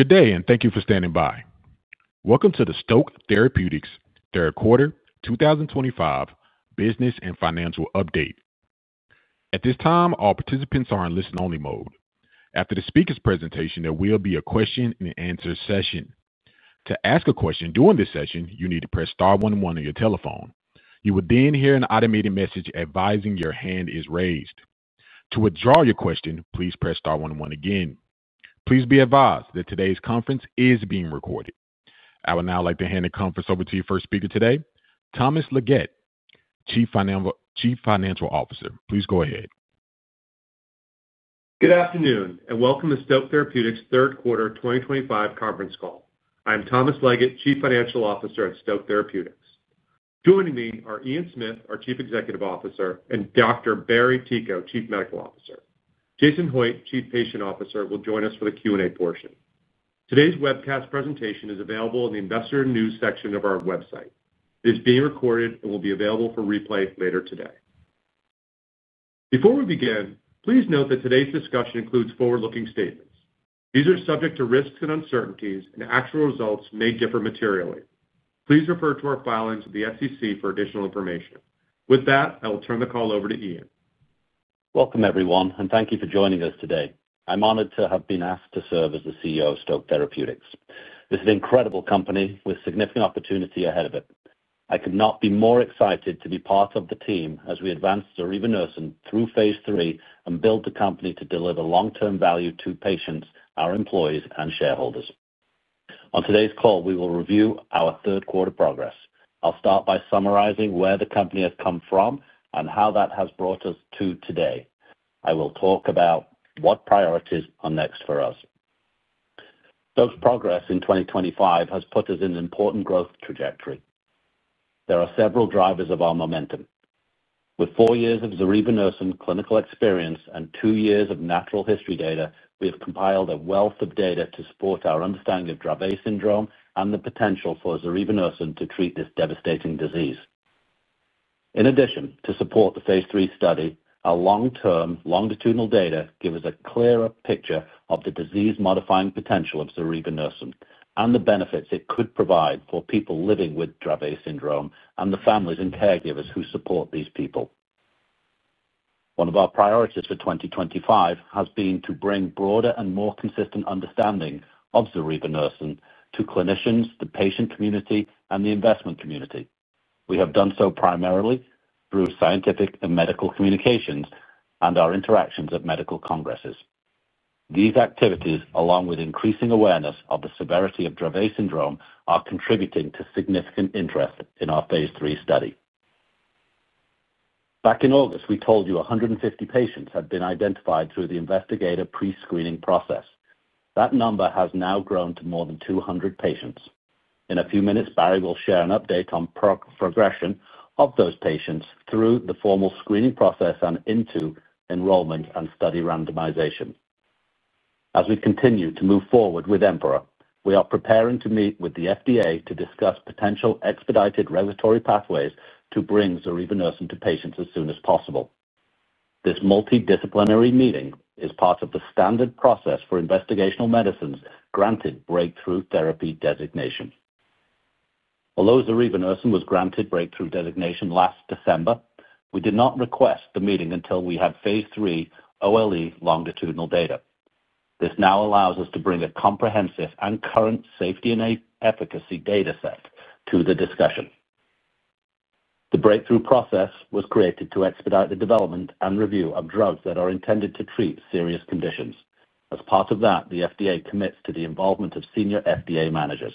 Good day, and thank you for standing by. Welcome to the Stoke Therapeutics third quarter 2025 business and financial update. At this time, all participants are in listen-only mode. After the speaker's presentation, there will be a question-and-answer session. To ask a question during this session, you need to press Star one one on your telephone. You will then hear an automated message advising your hand is raised. To withdraw your question, please press Star one one again. Please be advised that today's conference is being recorded. I would now like to hand the conference over to your first speaker today, Thomas Leggett, Chief Financial Officer. Please go ahead. Good afternoon, and welcome to Stoke Therapeutics' Third Quarter 2025 conference call. I am Thomas Leggett, Chief Financial Officer at Stoke Therapeutics. Joining me are Ian Smith, our Chief Executive Officer, and Dr. Barry Ticho, Chief Medical Officer. Jason Hoitt, Chief Patient Officer, will join us for the Q&A portion. Today's webcast presentation is available in the Investor News section of our website. It is being recorded and will be available for replay later today. Before we begin, please note that today's discussion includes forward-looking statements. These are subject to risks and uncertainties, and actual results may differ materially. Please refer to our filings with the SEC for additional information. With that, I will turn the call over to Ian. Welcome, everyone, and thank you for joining us today. I'm honored to have been asked to serve as the CEO of Stoke Therapeutics. This is an incredible company with significant opportunity ahead of it. I could not be more excited to be part of the team as we advance zorevunersen through phase III and build the company to deliver long-term value to Patients, our Employees, and Shareholders. On today's call, we will review our third-quarter progress. I'll start by summarizing where the company has come from and how that has brought us to today. I will talk about what priorities are next for us. Stoke's Progress in 2025 has put us in an important growth trajectory. There are several drivers of our momentum. With four years of zorevunersen Clinical Experience and two years of Natural History Data, we have compiled a wealth of data to support our understanding of Dravet Syndrome and the potential for zorevunersen to treat this devastating disease. In addition, to support the phase III study, our long-term longitudinal data give us a clearer picture of the Disease Modifying Potential of zorevunersen and the benefits it could provide for people living with Dravet Syndrome and the families and caregivers who support these people. One of our priorities for 2025 has been to bring broader and more consistent understanding of zorevunersen to Clinicians, the Patient Community, and the Investment Community. We have done so primarily through Scientific and Medical Communications and our interactions at Medical Congresses. These activities, along with increasing awareness of the severity of Dravet Syndrome, are contributing to significant interest in our phase III study. Back in August, we told you 150 patients had been identified through the investigator Pre-Screening Process. That number has now grown to more than 200 patients. In a few minutes, Barry will share an update on progression of those patients through the Formal Screening Process and into Enrollment and Study Randomization. As we continue to move forward with EMPEROR, we are preparing to meet with the FDA to discuss potential expedited regulatory pathways to bring zorevunersen to patients as soon as possible. This Multi-Disciplinary Meeting is part of the standard process for Investigational Medicines granted breakthrough therapy designation. Although zorevunersen was granted breakthrough designation last December, we did not request the meeting until we had phase III OLE Longitudinal Data. This now allows us to bring a comprehensive and current safety and efficacy data set to the discussion. The breakthrough process was created to expedite the development and review of drugs that are intended to treat serious conditions. As part of that, the FDA commits to the involvement of senior FDA Managers.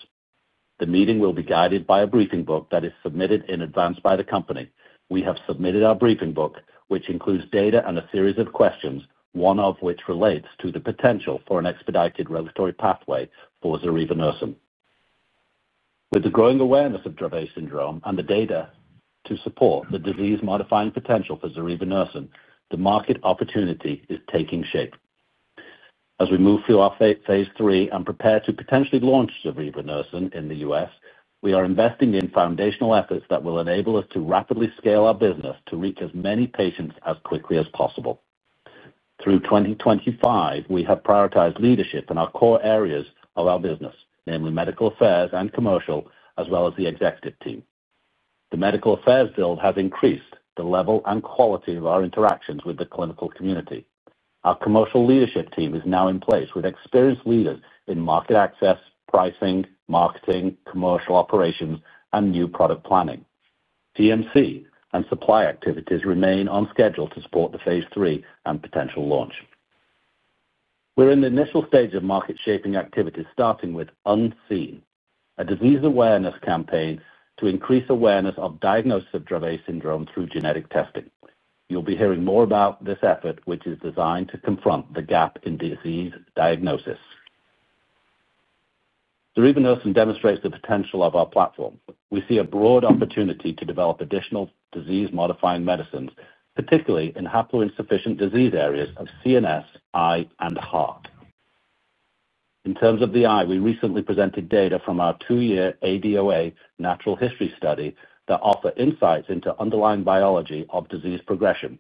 The meeting will be guided by a briefing book that is submitted in advance by the company. We have submitted our briefing book, which includes data and a series of questions, one of which relates to the potential for an expedited regulatory pathway for zorevunersen. With the growing awareness of Dravet Syndrome and the data to support the Disease Modifying potential for zorevunersen, the market opportunity is taking shape. As we move through our phase III and prepare to potentially launch zorevunersen in the U.S., we are investing in foundational efforts that will enable us to rapidly scale our business to reach as many patients as quickly as possible. Through 2025, we have prioritized leadership in our core areas of our business, namely Medical Affairs and Commercial, as well as the Executive Team. The Medical Affairs build has increased the level and quality of our interactions with the Clinical Community. Our Commercial Leadership Team is now in place with experienced leaders in Market Access, Pricing, Marketing, Commercial Operations, and New Product Planning. TMC and Supply Activities remain on schedule to support the phase III and potential launch. We're in the initial stage of market-shaping activities starting with Unseen, a Disease Awareness Campaign to increase Awareness of Diagnosis of Dravet Syndrome through Genetic Testing. You'll be hearing more about this effort, which is designed to confront the gap in disease diagnosis. zorevunersen demonstrates the potential of our platform. We see a broad opportunity to develop additional Disease Modifying Medicines, particularly in Haploinsufficient Disease Areas of CNS, Eye, and Heart. In terms of the eye, we recently presented data from our two-year ADOA natural history study that offer insights into underlying biology of Disease Progression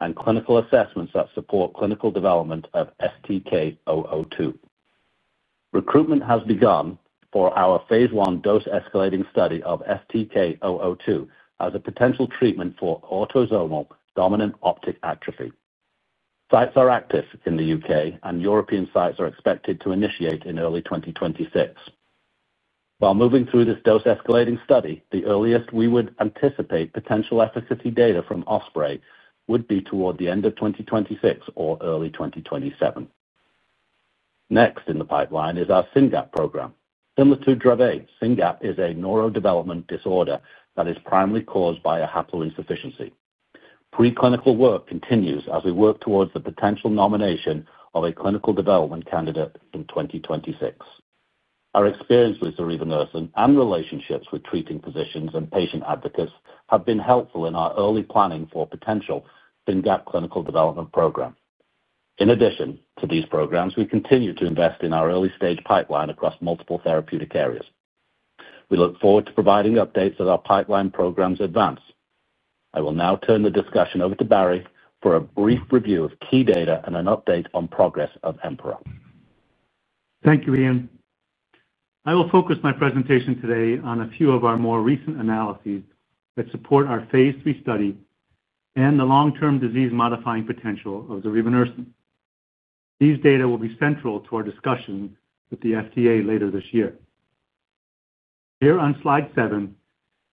and Clinical Assessments that support Clinical Development of STK-002. Recruitment has begun for our phase I dose-escalating study of STK-002 as a potential treatment for autosomal dominant optic atrophy. Sites are active in the U.K., and European sites are expected to initiate in early 2026. While moving through this dose-escalating study, the earliest we would anticipate potential efficacy data from Osprey would be toward the end of 2026 or early 2027. Next in the pipeline is our SYNGAP1 Program. Similar to Dravet, SYNGAP1 is a Neurodevelopmental Disorder that is primarily caused by a Haploinsufficiency. Preclinical work continues as we work towards the potential nomination of a Clinical Development Candidate in 2026. Our experience with zorevunersen and relationships with treating physicians and patient advocates have been helpful in our early planning for a potential SYNGAP1 Clinical Development Program. In addition to these programs, we continue to invest in our early-stage pipeline across Multiple Therapeutic Areas. We look forward to providing updates as our Pipeline Programs Advance. I will now turn the discussion over to Barry for a brief review of key data and an update on progress of EMPEROR. Thank you, Ian. I will focus my presentation today on a few of our more recent analyses that support our phase III study and the long-term Disease Modifying Potential of zorevunersen. These data will be central to our discussion with the FDA later this year. Here on slide seven,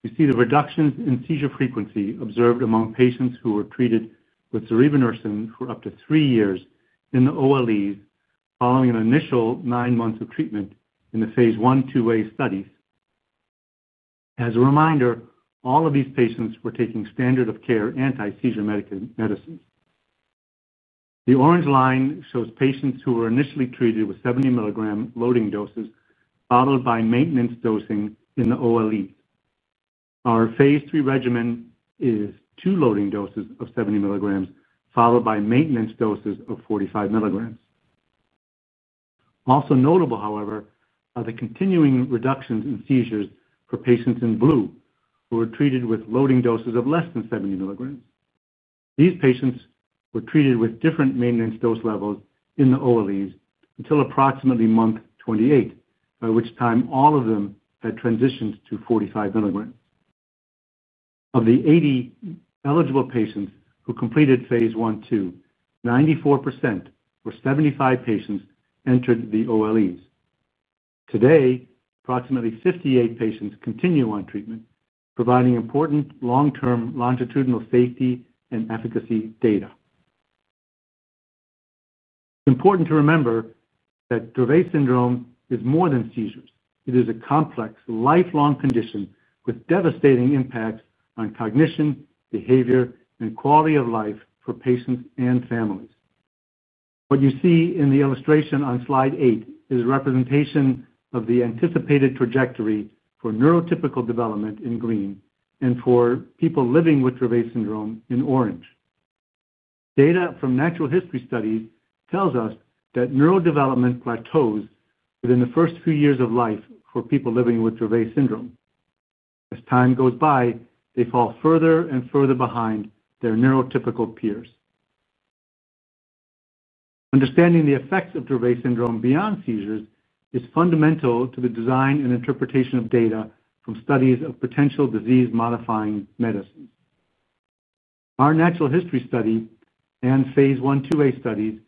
you see the reductions in seizure frequency observed among patients who were treated with zorevunersen for up to three years in the OLEs following an initial nine months of treatment in the phase I/II studies. As a reminder, all of these patients were taking standard-of-care anti-seizure medicines. The orange line shows patients who were initially treated with 70 mg Loading Doses followed by Maintenance Dosing in the OLEs. Our phase III Regimen is two loading doses of 70 mg followed by Maintenance Doses of 45 mg. Also notable, however, are the continuing reductions in seizures for patients in blue who were treated with Loading Doses of less than 70 mg. These patients were treated with different maintenance dose levels in the OLEs until approximately month 28, by which time all of them had transitioned to 45 mg. Of the 80 eligible patients who completed phase I/II, 94%, or 75 patients, entered the OLEs. Today, approximately 58 patients continue on treatment, providing important long-term longitudinal safety and efficacy data. It's important to remember that Dravet Syndrome is more than seizures. It is a complex, lifelong condition with devastating impacts on cognition, behavior, and quality of life for patients and families. What you see in the illustration on slide eight is a representation of the anticipated trajectory for Neurotypical Development in green and for people living with Dravet Syndrome in orange. Data from natural history studies tells us that neurodevelopment plateaus within the first few years of life for people living with Dravet Syndrome. As time goes by, they fall further and further behind their neurotypical peers. Understanding the effects of Dravet Syndrome beyond seizures is fundamental to the design and interpretation of data from studies of potential Disease Modifying Medicines. Our natural history study and phase I/II studies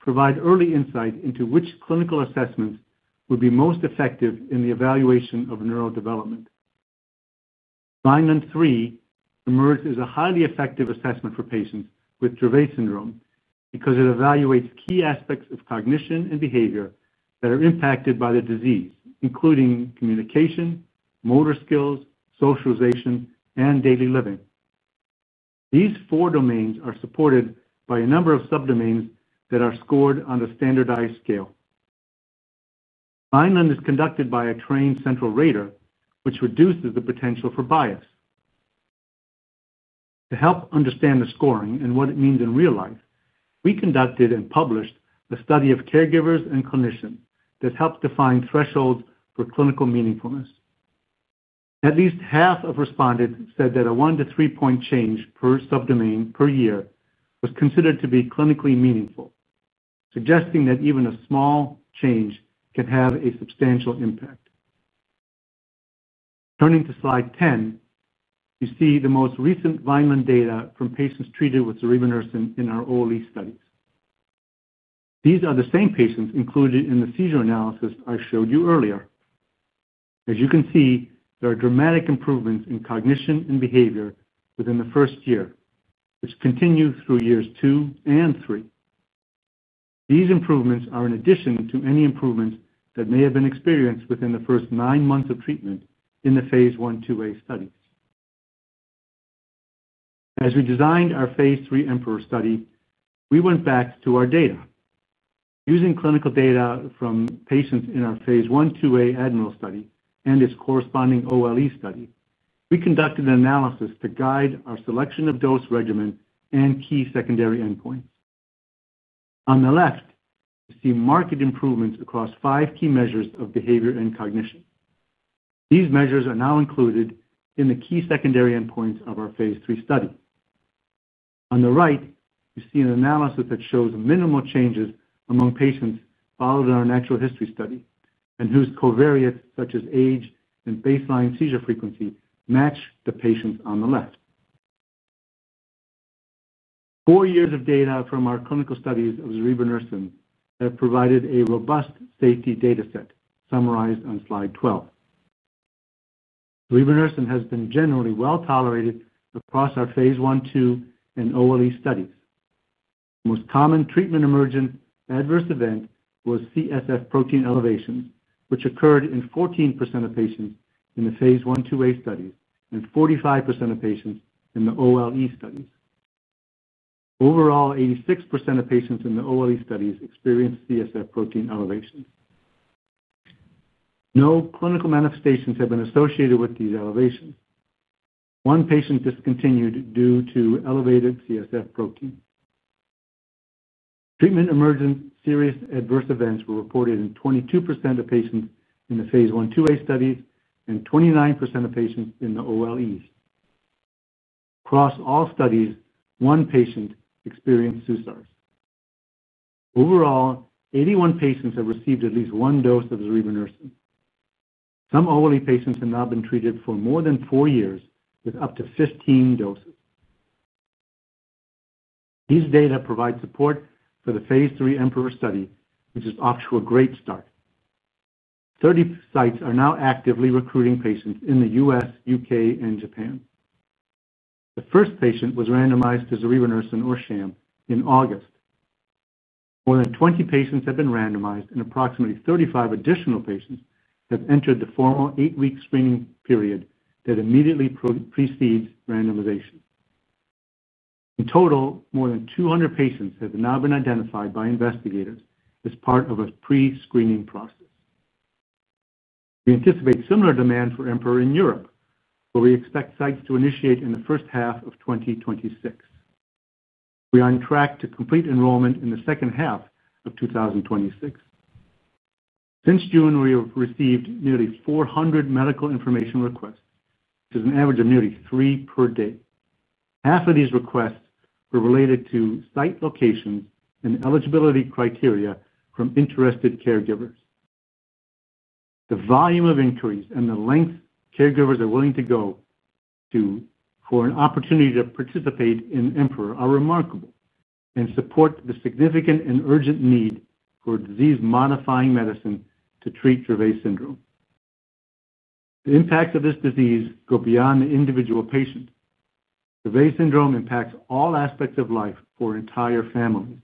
provide early insight into which clinical assessments would be most effective in the evaluation of neurodevelopment. Vineland-III emerges as a highly effective assessment for patients with Dravet Syndrome because it evaluates key aspects of cognition and behavior that are impacted by the disease, including communication, motor skills, socialization, and daily living. These four domains are supported by a number of subdomains that are scored on a standardized scale. Vineland is conducted by a trained central rater, which reduces the potential for bias. To help understand the scoring and what it means in real life, we conducted and published a study of caregivers and clinicians that helped define thresholds for clinical meaningfulness. At least half of respondents said that a one to three-point change per subdomain per year was considered to be clinically meaningful. Suggesting that even a small change can have a substantial impact. Turning to slide 10, you see the most recent line number data from patients treated with zorevunersen in our OLE studies. These are the same patients included in the Seizure Analysis I showed you earlier. As you can see, there are dramatic improvements in Cognition and Behavior within the first year, which continue through years two and three. These improvements are in addition to any improvements that may have been experienced within the first nine months of treatment in the phase I/IIa studies. As we designed our phase III EMPEROR study, we went back to our data. Using Clinical Data from patients in our phase I/IIa study and its corresponding OLE study, we conducted an analysis to guide our selection of dose regimen and key secondary endpoints. On the left, you see marked improvements across five key measures of Behavior and Cognition. These measures are now included in the key secondary endpoints of our phase III study. On the right, you see an analysis that shows minimal changes among patients followed in our Natural History Study and whose covariates such as age and baseline seizure frequency match the patients on the left. Four years of data from our clinical studies of zorevunersen have provided a robust safety data set summarized on slide 12. Zorevunersen has been generally well tolerated across our phase I/IIa and OLE studies. The most common treatment-emergent adverse event was CSF Protein Elevations, which occurred in 14% of patients in the phase I/IIa studies and 45% of patients in the OLE studies. Overall, 86% of patients in the OLE studies experienced CSF Protein Elevations. No clinical manifestations have been associated with these Elevations. One patient discontinued due to elevated CSF Protein. Treatment-emergent serious adverse events were reported in 22% of patients in the phase I/IIa studies and 29% of patients in the OLEs. Across all studies, one patient experienced suicide. Overall, 81 patients have received at least one dose of zorevunersen. Some OLE Patients have now been treated for more than four years with up to 15 doses. These data provide support for the phase III EMPEROR study, which is off to a great start. 30 sites are now actively recruiting patients in the U.S., U.K., and Japan. The first patient was randomized to zorevunersen in August. More than 20 patients have been randomized, and approximately 35 additional patients have entered the formal eight-week screening period that immediately precedes randomization. In total, more than 200 patients have now been identified by investigators as part of a pre-screening process. We anticipate similar demand for EMPEROR in Europe, where we expect sites to initiate in the first half of 2026. We are on track to complete enrollment in the second half of 2026. Since June, we have received nearly 400 medical information requests, which is an average of nearly three per day. Half of these requests were related to site locations and eligibility criteria from interested caregivers. The volume of inquiries and the length caregivers are willing to go to for an opportunity to participate in EMPEROR are remarkable and support the significant and urgent need for Disease Modifying medicine to treat Dravet Syndrome. The impacts of this disease go beyond the Individual Patient. Dravet Syndrome impacts all aspects of life for entire families.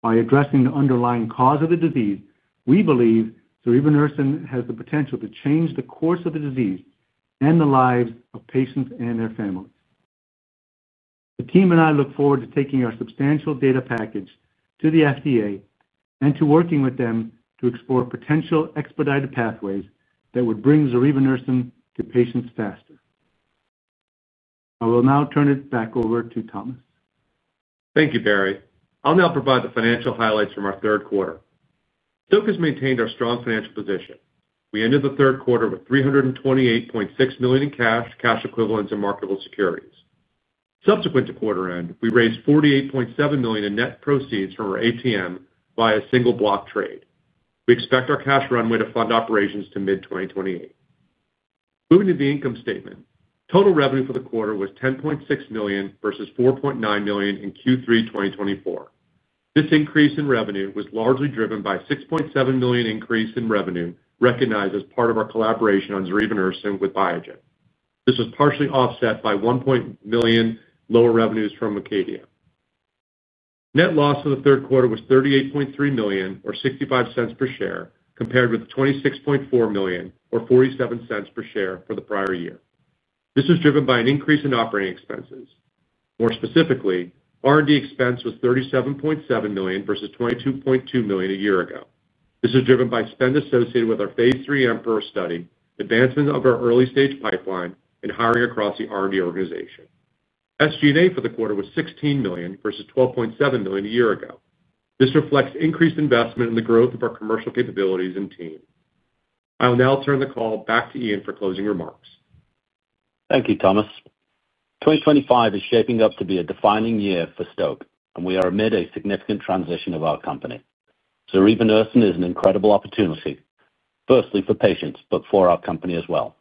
By addressing the underlying cause of the disease, we believe zorevunersen has the potential to change the course of the disease and the lives of patients and their families. The team and I look forward to taking our substantial data package to the FDA and to working with them to explore potential expedited pathways that would bring zorevunersen to patients faster. I will now turn it back over to Tommy. Thank you, Barry. I'll now provide the financial highlights from our third quarter. Stoke has maintained our strong financial position. We ended the third quarter with $328.6 million in cash, cash equivalents, and marketable securities. Subsequent to quarter end, we raised $48.7 million in net proceeds from our ATM via Single-Block Trade. We expect our cash runway to fund operations to mid-2028. Moving to the income statement, total revenue for the quarter was $10.6 million versus $4.9 million in Q3 2024. This increase in revenue was largely driven by a $6.7 million increase in revenue recognized as part of our collaboration on zorevunersen with Biogen. This was partially offset by $1.1 million lower revenues from Acadia. Net loss for the third quarter was $38.3 million, or $0.65 per share, compared with $26.4 million, or $0.47 per share, for the prior year. This was driven by an increase in operating expenses. More specifically, R&D expense was $37.7 million versus $22.2 million a year ago. This is driven by spend associated with our phase III EMPEROR study, advancement of our early-stage pipeline, and hiring across the R&D organization. SG&A for the quarter was $16 million versus $12.7 million a year ago. This reflects increased investment in the growth of our commercial capabilities and team. I'll now turn the call back to Ian for closing remarks. Thank you, Thomas. 2025 is shaping up to be a defining year for Stoke, and we are amid a significant transition of our company. zorevunersen is an incredible opportunity, firstly for patients, but for our company as well.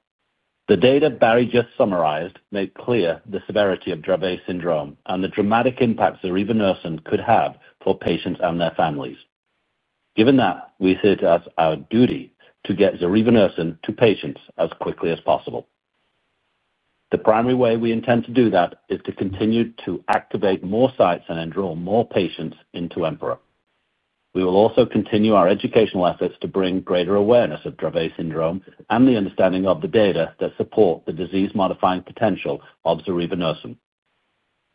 The data Barry just summarized made clear the severity of Dravet Syndrome and the dramatic impact zorevunersen could have for patients and their families. Given that, we see it as our duty to get zorevunersen to patients as quickly as possible. The primary way we intend to do that is to continue to activate more sites and enroll more patients into EMPEROR. We will also continue our educational efforts to bring greater awareness of Dravet Syndrome and the understanding of the data that support the Disease Modifying Potential of zorevunersen.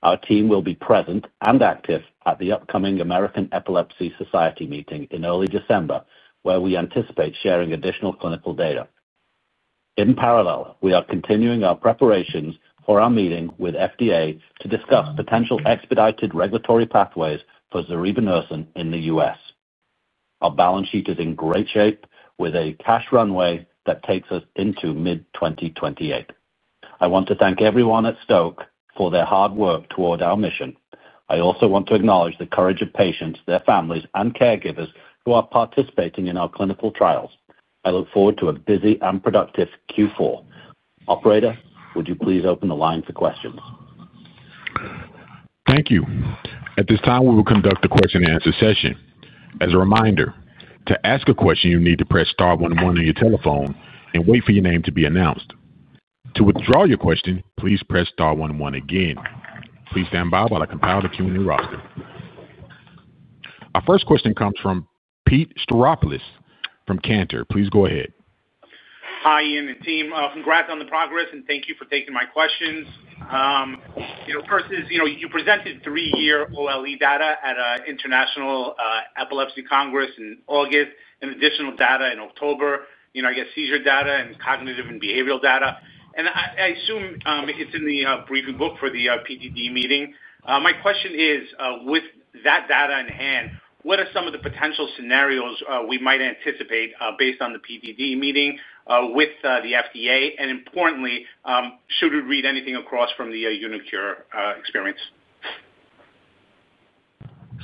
Our team will be present and active at the upcoming American Epilepsy Society meeting in early December, where we anticipate sharing additional Clinical Data. In parallel, we are continuing our preparations for our meeting with FDA to discuss potential expedited regulatory pathways for zorevunersen in the U.S. Our Balance Sheet is in great shape with a cash runway that takes us into mid-2028. I want to thank everyone at Stoke for their hard work toward our mission. I also want to acknowledge the courage of patients, their families, and caregivers who are participating in our clinical trials. I look forward to a busy and productive Q4. Operator, would you please open the line for questions? Thank you. At this time, we will conduct a question-and-answer session. As a reminder, to ask a question, you need to press Star one one on your telephone and wait for your name to be announced. To withdraw your question, please press Star one one again. Please stand by while I compile the Q&A roster. Our first question comes from Pete Stavropoulos from Cantor. Please go ahead. Hi, Ian and team. Congrats on the progress, and thank you for taking my questions. First is, you presented three-year OLE Data at an international epilepsy congress in August, and additional data in October, I guess, Seizure Data and Cognitive and Behavioral Data. And I assume it's in the briefing book for the PDD Meeting. My question is, with that data in hand, what are some of the potential scenarios we might anticipate based on the PDD Meeting with the FDA? And importantly, should we read anything across from the uniQure experience?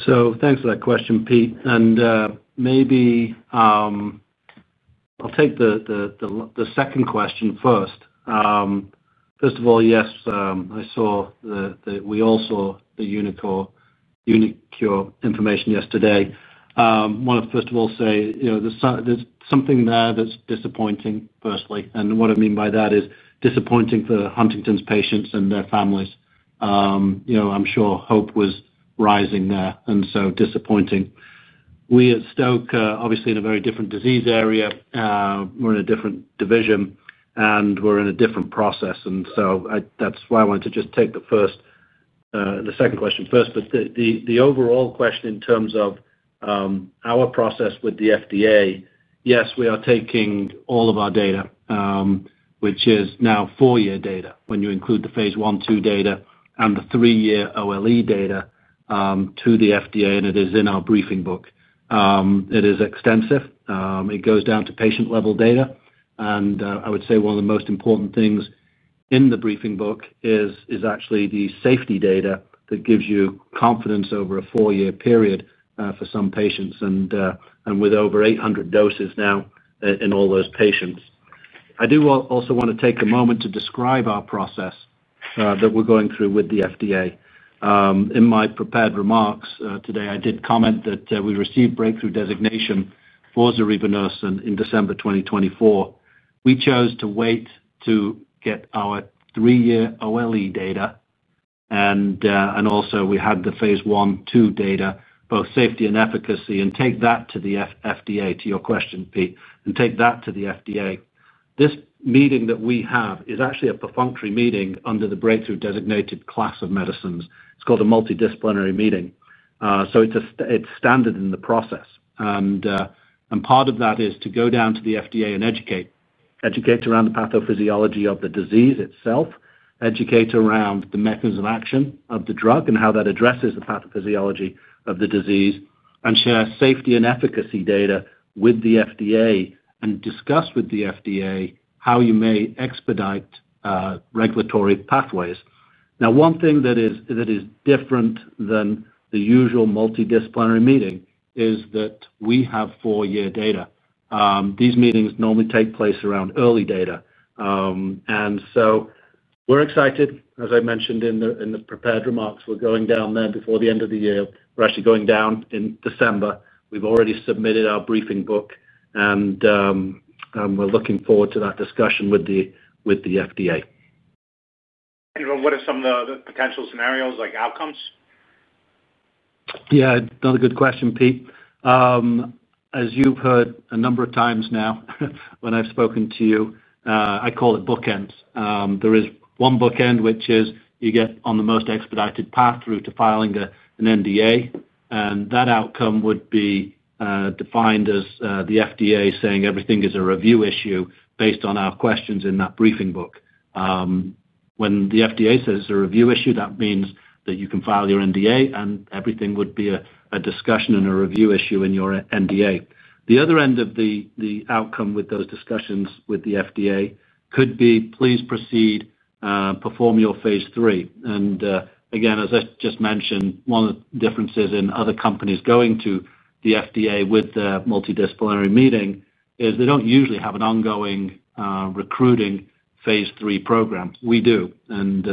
So thanks for that question, Pete. And maybe I'll take the second question first. First of all, yes, I saw that we all saw the uniQure information yesterday. I want to, first of all, say there's something there that's disappointing, firstly. And what I mean by that is disappointing for Huntington's patients and their families. I'm sure hope was rising there, and so disappointing. We at Stoke, obviously, in a very different disease area. We're in a different division. And we're in a different process. And so that's why I wanted to just take the second question first. But the overall question in terms of our process with the FDA, yes, we are taking all of our data, which is now four-year data when you include the phase I/II data and the three-year OLE Data to the FDA, and it is in our briefing book. It is extensive. It goes down to patient-level data. And I would say one of the most important things in the briefing book is actually the Safety Data that gives you confidence over a four-year period for some patients. And with over 800 doses now in all those patients, I do also want to take a moment to describe our process that we're going through with the FDA. In my prepared remarks today, I did comment that we received breakthrough designation for zorevunersen in December 2024. We chose to wait to get our three-year OLE Data. And also, we had the phase I/II data, both safety and efficacy, and take that to the FDA, to your question, Pete, and take that to the FDA. This meeting that we have is actually a perfunctory meeting under the breakthrough designated class of medicines. It's called a Multi-Disciplinary Meeting. So it's standard in the process. And part of that is to go down to the FDA and educate around the Pathophysiology of the disease itself, educate around the mechanism of action of the drug and how that addresses the Pathophysiology of the disease, and share safety and efficacy data with the FDA and discuss with the FDA how you may expedite regulatory pathways. Now, one thing that is different than the usual Multi-Disciplinary Meeting is that we have four-year data. These meetings normally take place around early data. And so we're excited, as I mentioned in the prepared remarks. We're going down there before the end of the year. We're actually going down in December. We've already submitted our briefing book, and we're looking forward to that discussion with the FDA. What are some of the potential scenarios, like outcomes? Yeah, another good question, Pete. As you've heard a number of times now when I've spoken to you, I call it bookends. There is one bookend, which is you get on the most expedited path through to filing an NDA. And that outcome would be defined as the FDA saying everything is a review issue based on our questions in that briefing book. When the FDA says it's a review issue, that means that you can file your NDA, and everything would be a discussion and a review issue in your NDA. The other end of the outcome with those discussions with the FDA could be, "Please proceed. Perform your phase III." And again, as I just mentioned, one of the differences in other companies going to the FDA with the Multi-Disciplinary Meeting is they don't usually have an ongoing recruiting phase III program. We do. And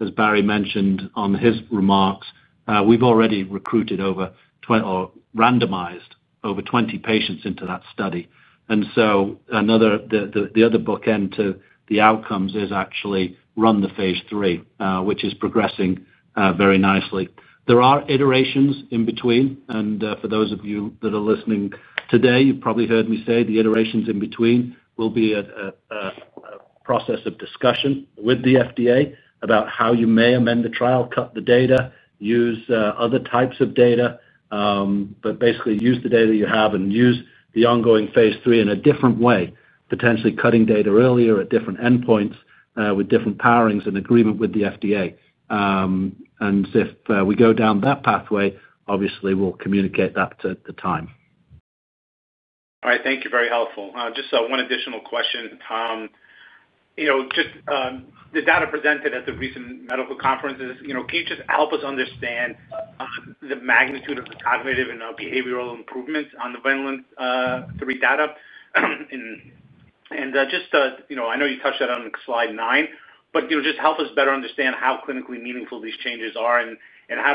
as Barry mentioned on his remarks, we've already randomized over 20 patients into that study. And so the other bookend to the outcomes is actually run the phase III, which is progressing very nicely. There are iterations in between. For those of you that are listening today, you've probably heard me say the iterations in between will be a process of discussion with the FDA about how you may amend the trial, cut the data, use other types of data, but basically use the data you have and use the ongoing phase III in a different way, potentially cutting data earlier at different endpoints with different powerings in agreement with the FDA. And if we go down that pathway, obviously, we'll communicate that at the time. All right. Thank you. Very helpful. Just one additional question, Tom. Just the data presented at the recent medical conferences, can you just help us understand the magnitude of the cognitive and behavioral improvements on the Vineland-III data? And just I know you touched that on slide nine, but just help us better understand how clinically meaningful these changes are and how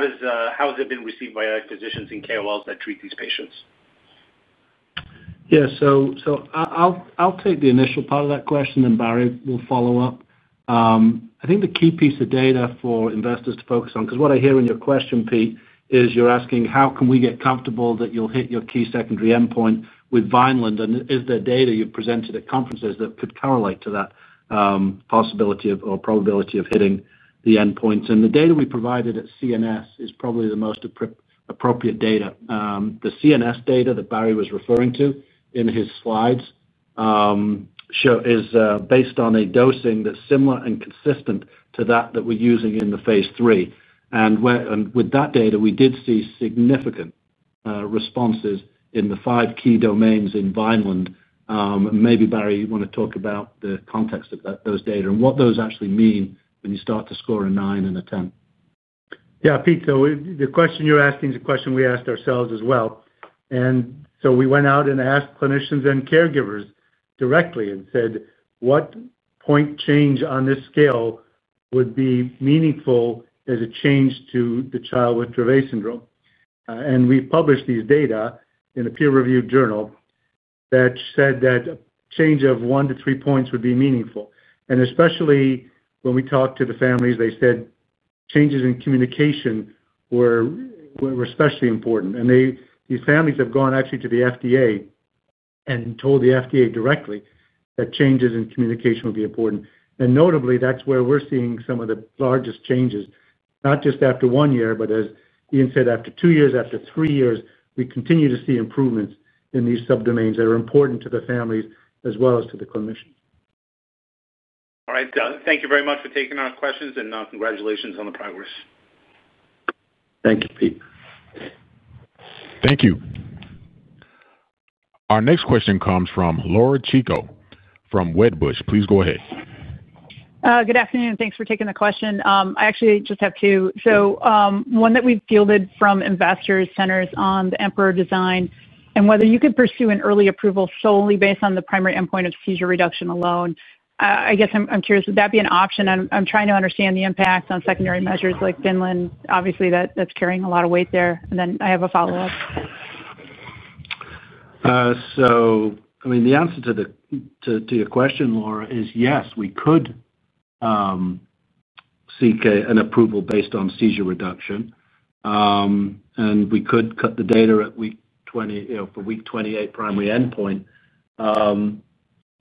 has it been received by physicians and KOLs that treat these patients. Yeah. So. I'll take the initial part of that question, then Barry will follow up. I think the key piece of data for investors to focus on, because what I hear in your question, Pete, is you're asking, "How can we get comfortable that you'll hit your key secondary endpoint with Vineland?" And is there data you've presented at conferences that could correlate to that possibility or probability of hitting the endpoints? And the data we provided at CNS is probably the most appropriate data. The CNS data that Barry was referring to in his slides is based on a dosing that's similar and consistent to that we're using in the phase III. And with that data, we did see significant responses in the five key domains in Vineland. Maybe, Barry, you want to talk about the context of those data and what those actually mean when you start to score a nine and a 10? Yeah, Pete. So the question you're asking is a question we asked ourselves as well. And so we went out and asked clinicians and caregivers directly and said, "What point change on this scale would be meaningful as a change to the child with Dravet Syndrome?" And we published these data in a peer-reviewed journal that said that a change of one to three points would be meaningful. And especially when we talked to the families, they said changes in communication were especially important. And these families have actually gone to the FDA and told the FDA directly that changes in communication would be important. And notably, that's where we're seeing some of the largest changes, not just after one year, but as Ian said, after two years, after three years, we continue to see improvements in these subdomains that are important to the families as well as to the clinicians. All right. Thank you very much for taking our questions, and congratulations on the progress. Thank you, Pete. Thank you. Our next question comes from Laura Chico from Wedbush. Please go ahead. Good afternoon. Thanks for taking the question. I actually just have two, so one that we've fielded from investors centers on the EMPEROR design and whether you could pursue an early approval solely based on the primary endpoint of seizure reduction alone. I guess I'm curious, would that be an option? I'm trying to understand the impact on secondary measures like Vineland. Obviously, that's carrying a lot of weight there, and then I have a follow-up. So, I mean, the answer to your question, Laura, is yes, we could seek an approval based on seizure reduction. And we could cut the data for week 28 primary endpoint.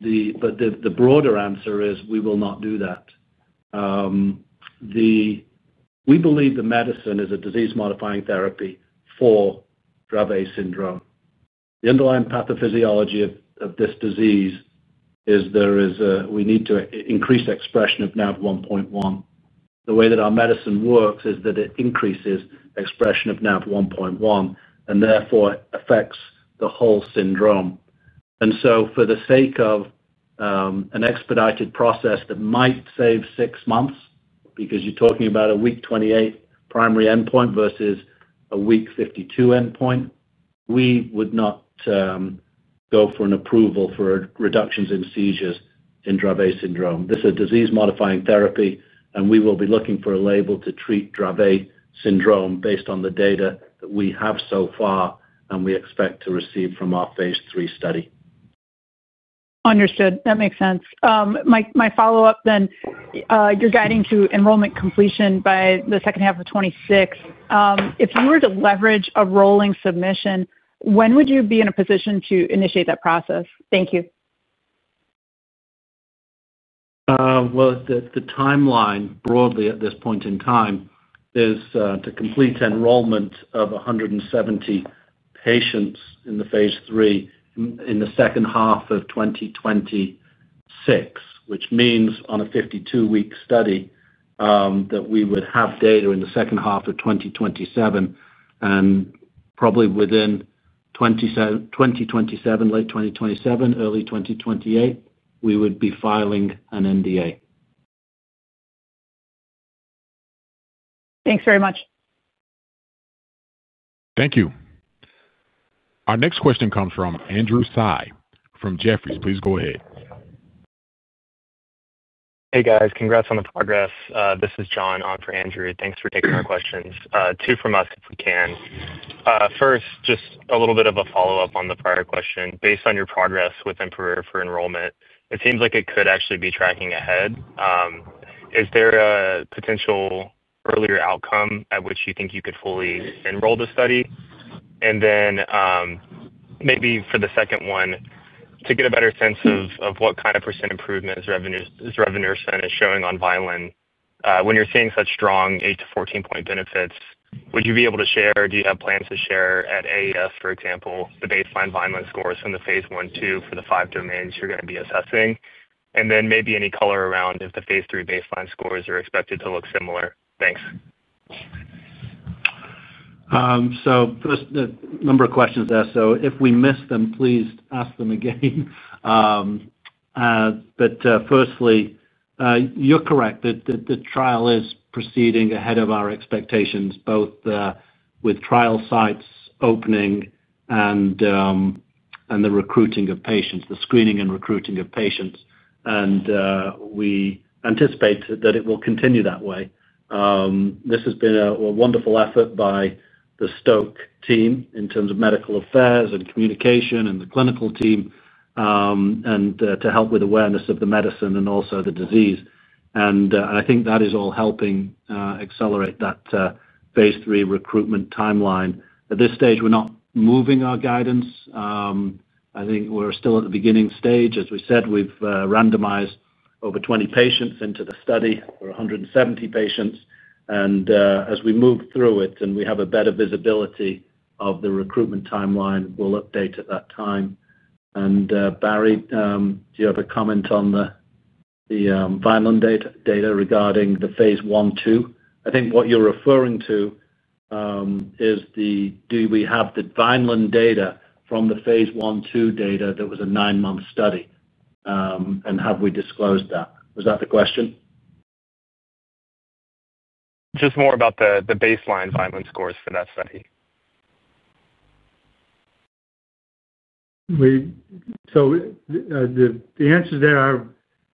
But the broader answer is we will not do that. We believe the medicine is a Disease Modifying Therapy for Dravet Syndrome. The underlying pathophysiology of this disease is there is a we need to increase expression of NaV1.1. The way that our medicine works is that it increases expression of NaV1.1 and therefore affects the whole Syndrome. And so for the sake of an expedited process that might save six months because you're talking about a week 28 primary endpoint versus a week 52 endpoint, we would not go for an approval for reductions in seizures in Dravet Syndrome. This is a Disease Modifying Therapy, and we will be looking for a label to treat Dravet Syndrome based on the data that we have so far and we expect to receive from our phase III study. Understood. That makes sense. My follow-up then, you're guiding to enrollment completion by the second half of 2026. If you were to leverage a rolling submission, when would you be in a position to initiate that process? Thank you. The timeline broadly at this point in time is to complete enrollment of 170 patients in the phase III in the second half of 2026, which means on a 52-week study that we would have data in the second half of 2027. Probably within late 2027, early 2028, we would be filing an NDA. Thanks very much. Thank you. Our next question comes from Andrew Tsai from Jefferies. Please go ahead. Hey, guys. Congrats on the progress. This is John, Oz for Andrew. Thanks for taking our questions. Two from us, if we can. First, just a little bit of a follow-up on the prior question. Based on your progress with EMPEROR for enrollment, it seems like it could actually be tracking ahead. Is there a potential earlier outcome at which you think you could fully enroll the study? And then. Maybe for the second one, to get a better sense of what kind of % improvement zorevunersen is showing on Vineland when you're seeing such strong 8-14 point benefits, would you be able to share or do you have plans to share at AES, for example, the baseline Vineland scores from the phase I/II for the five domains you're going to be assessing? And then maybe any color around if the phase III baseline scores are expected to look similar. Thanks. So, the number of questions there. So if we miss them, please ask them again. But, firstly, you're correct that the trial is proceeding ahead of our expectations, both with trial sites opening and the recruiting of patients, the screening and recruiting of patients, and we anticipate that it will continue that way. This has been a wonderful effort by the Stoke team in terms of medical affairs and communication and the clinical team, and to help with awareness of the medicine and also the disease, and I think that is all helping accelerate that phase III recruitment timeline. At this stage, we're not moving our guidance. I think we're still at the beginning stage. As we said, we've randomized over 20 patients into a study for 170 patients, and as we move through it and we have a better visibility of the recruitment timeline, we'll update at that time. And Barry, do you have a comment on the vigilance data regarding the phase I/II? I think what you're referring to is the, "Do we have the vigilance data from the phase I/II data that was a nine-month study? And have we disclosed that?" Was that the question? Just more about the baseline Vigilant scores for that study. So, the answers there are,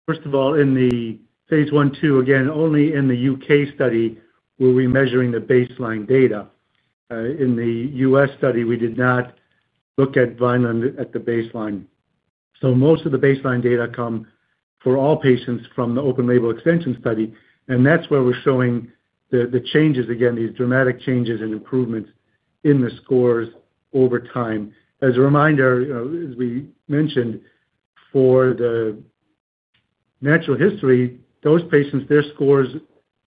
first of all, in the phase one two, again, only in the U.K. study were we measuring the baseline data. In the U.S. study, we did not look at Vineland at the baseline. So most of the baseline data come for all patients from the open-label extension study. And that's where we're showing the changes, again, these dramatic changes and improvements in the scores over time. As a reminder, as we mentioned, for the natural history, those patients, their scores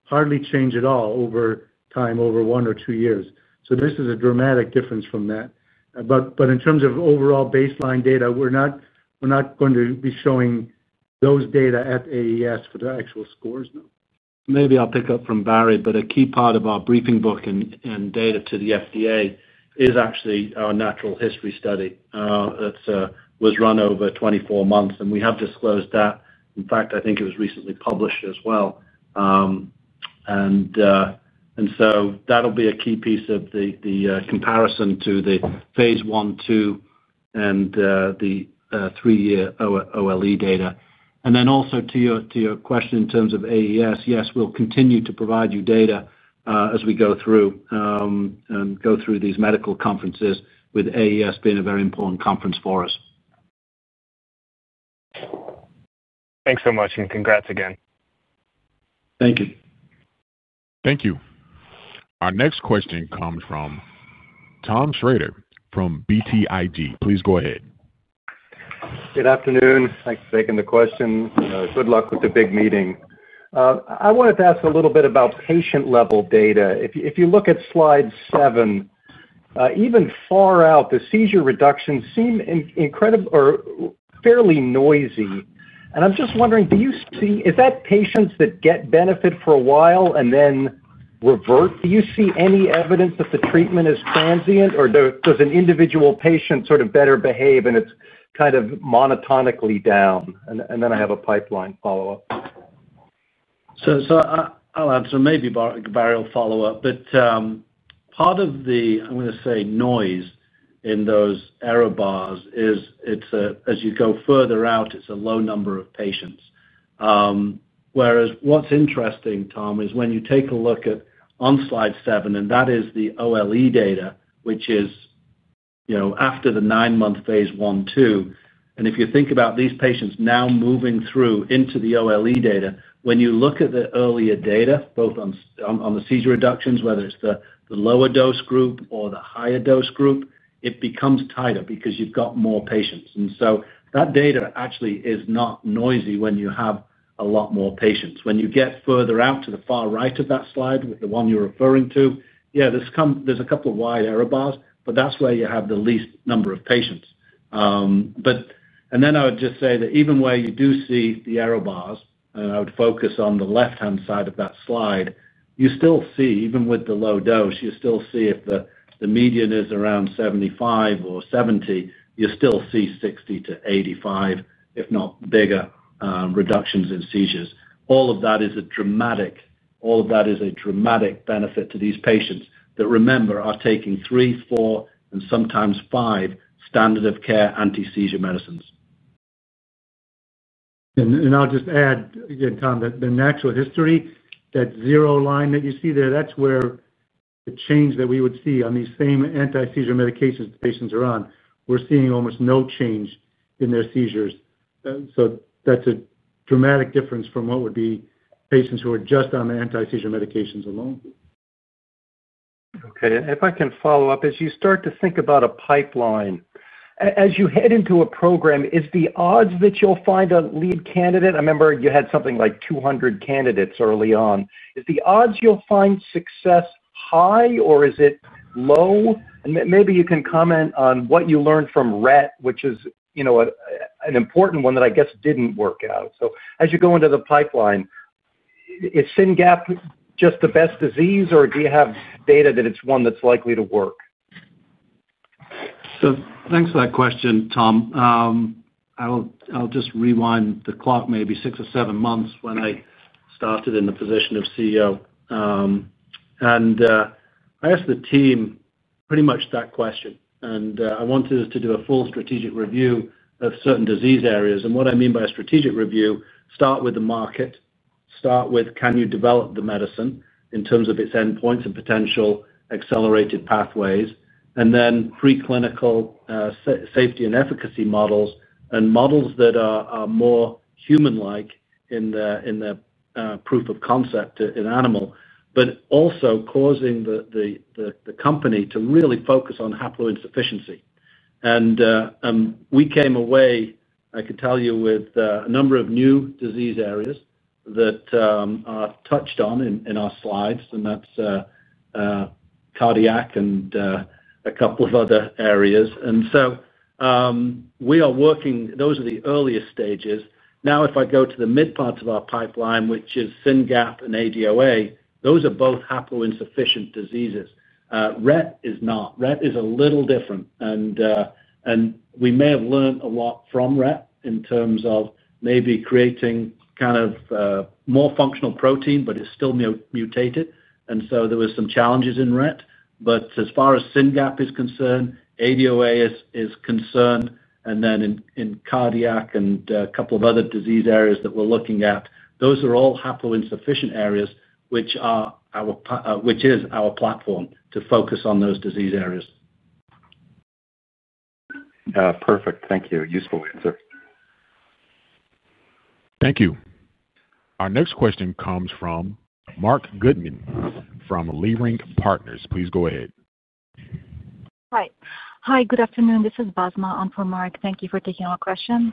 hardly change at all over time, over one or two years. So this is a dramatic difference from that. But in terms of overall baseline data, we're not going to be showing those data at AES for the actual scores, no. Maybe I'll pick up from Barry, but a key part of our briefing book and data to the FDA is actually our natural history study that was run over 24 months. And we have disclosed that. In fact, I think it was recently published as well. And so that'll be a key piece of the comparison to the phase I/II and the three-year OLE Data. And then also to your question in terms of AES, yes, we'll continue to provide you data as we go through these medical conferences with AES being a very important conference for us. Thanks so much, and congrats again. Thank you. Thank you. Our next question comes from Tom Shrader from BTIG. Please go ahead. Good afternoon. Thanks for taking the question. Good luck with the big meeting. I wanted to ask a little bit about patient-level data. If you look at slide seven, even far out, the seizure reductions seem fairly noisy. And I'm just wondering, do you see is that patients that get benefit for a while and then revert? Do you see any evidence that the treatment is transient or does an individual patient sort of better behave and it's kind of monotonically down? And then I have a pipeline follow-up. So I'll answer. Maybe Barry will follow up. But part of the, I'm going to say, noise in those error bars is as you go further out, it's a low number of patients. Whereas what's interesting, Tom, is when you take a look at on slide seven, and that is the OLE Data, which is after the nine-month phase I/II. And if you think about these patients now moving through into the OLE Data, when you look at the earlier data, both on the seizure reductions, whether it's the lower dose group or the higher dose group, it becomes tighter because you've got more patients. And so that data actually is not noisy when you have a lot more patients. When you get further out to the far right of that slide with the one you're referring to, yeah, there's a couple of wide error bars, but that's where you have the least number of patients. And then I would just say that even where you do see the error bars, and I would focus on the left-hand side of that slide, you still see, even with the low dose, you still see if the median is around 75 or 70, you still see 60-85, if not bigger, reductions in seizures. All of that is a dramatic benefit to these patients that, remember, are taking three, four, and sometimes five standard-of-care anti-seizure medicines. And I'll just add, again, Tom, that the natural history, that zero line that you see there, that's where the change that we would see on these same anti-seizure medications the patients are on, we're seeing almost no change in their seizures. So that's a dramatic difference from what would be patients who are just on the anti-seizure medications alone. Okay. And if I can follow up, as you start to think about a pipeline, as you head into a program, is the odds that you'll find a lead candidate? I remember you had something like 200 candidates early on. Is the odds you'll find success high, or is it low? And maybe you can comment on what you learned from Rett, which is an important one that I guess didn't work out. So as you go into the pipeline, is SYNGAP1 just the best disease, or do you have data that it's one that's likely to work? So thanks for that question, Tom. I'll just rewind the clock maybe six or seven months when I started in the position of CEO, and I asked the team pretty much that question, and I wanted us to do a full strategic review of certain disease areas, and what I mean by a strategic review, start with the market, start with can you develop the medicine in terms of its endpoints and potential accelerated pathways, and then preclinical safety and efficacy models and models that are more human-like in the proof of concept in animal, but also causing the company to really focus on haploinsufficiency, and we came away, I can tell you, with a number of new disease areas that are touched on in our slides, and that's cardiac and a couple of other areas, and so we are working; those are the earliest stages. Now, if I go to the mid parts of our pipeline, which is SYNGAP1 and ADOA, those are both haploinsufficient diseases. Rett is not. Rett is a little different, and we may have learned a lot from Rett in terms of maybe creating kind of more functional protein, but it's still mutated, and so there were some challenges in Rett. But as far as SYNGAP1 is concerned, ADOA is concerned, and then in cardiac and a couple of other disease areas that we're looking at, those are all haploinsufficient areas, which is our platform to focus on those disease areas. Perfect. Thank you. Useful answer. Thank you. Our next question comes from Marc Goodman from Leerink Partners. Please go ahead. Hi. Hi. Good afternoon. This is Basma Ong for Marc. Thank you for taking our questions.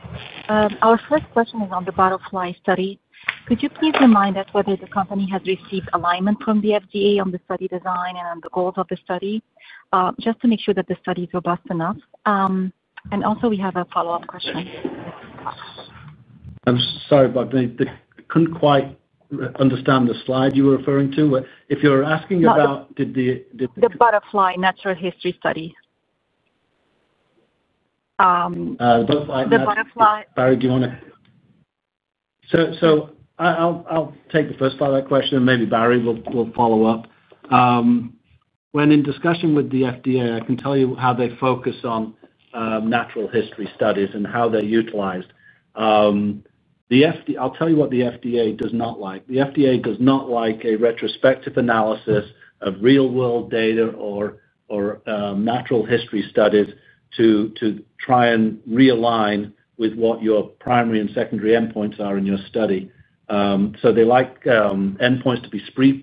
Our first question is on the BUTTERFLY study. Could you please remind us whether the company has received alignment from the FDA on the study design and on the goals of the study? Just to make sure that the study is robust enough, and also, we have a follow-up question. I'm sorry, but I couldn't quite understand the slide you were referring to. If you're asking about. Yeah. The BUTTERFLY Natural History Study. The BUTTERFLY. Barry, do you want to? So I'll take the first part of that question, and maybe Barry will follow up. When in discussion with the FDA, I can tell you how they focus on natural history studies and how they're utilized. I'll tell you what the FDA does not like. The FDA does not like a Retrospective Analysis of real-world data or natural history studies to try and realign with what your primary and secondary endpoints are in your study. So they like endpoints to be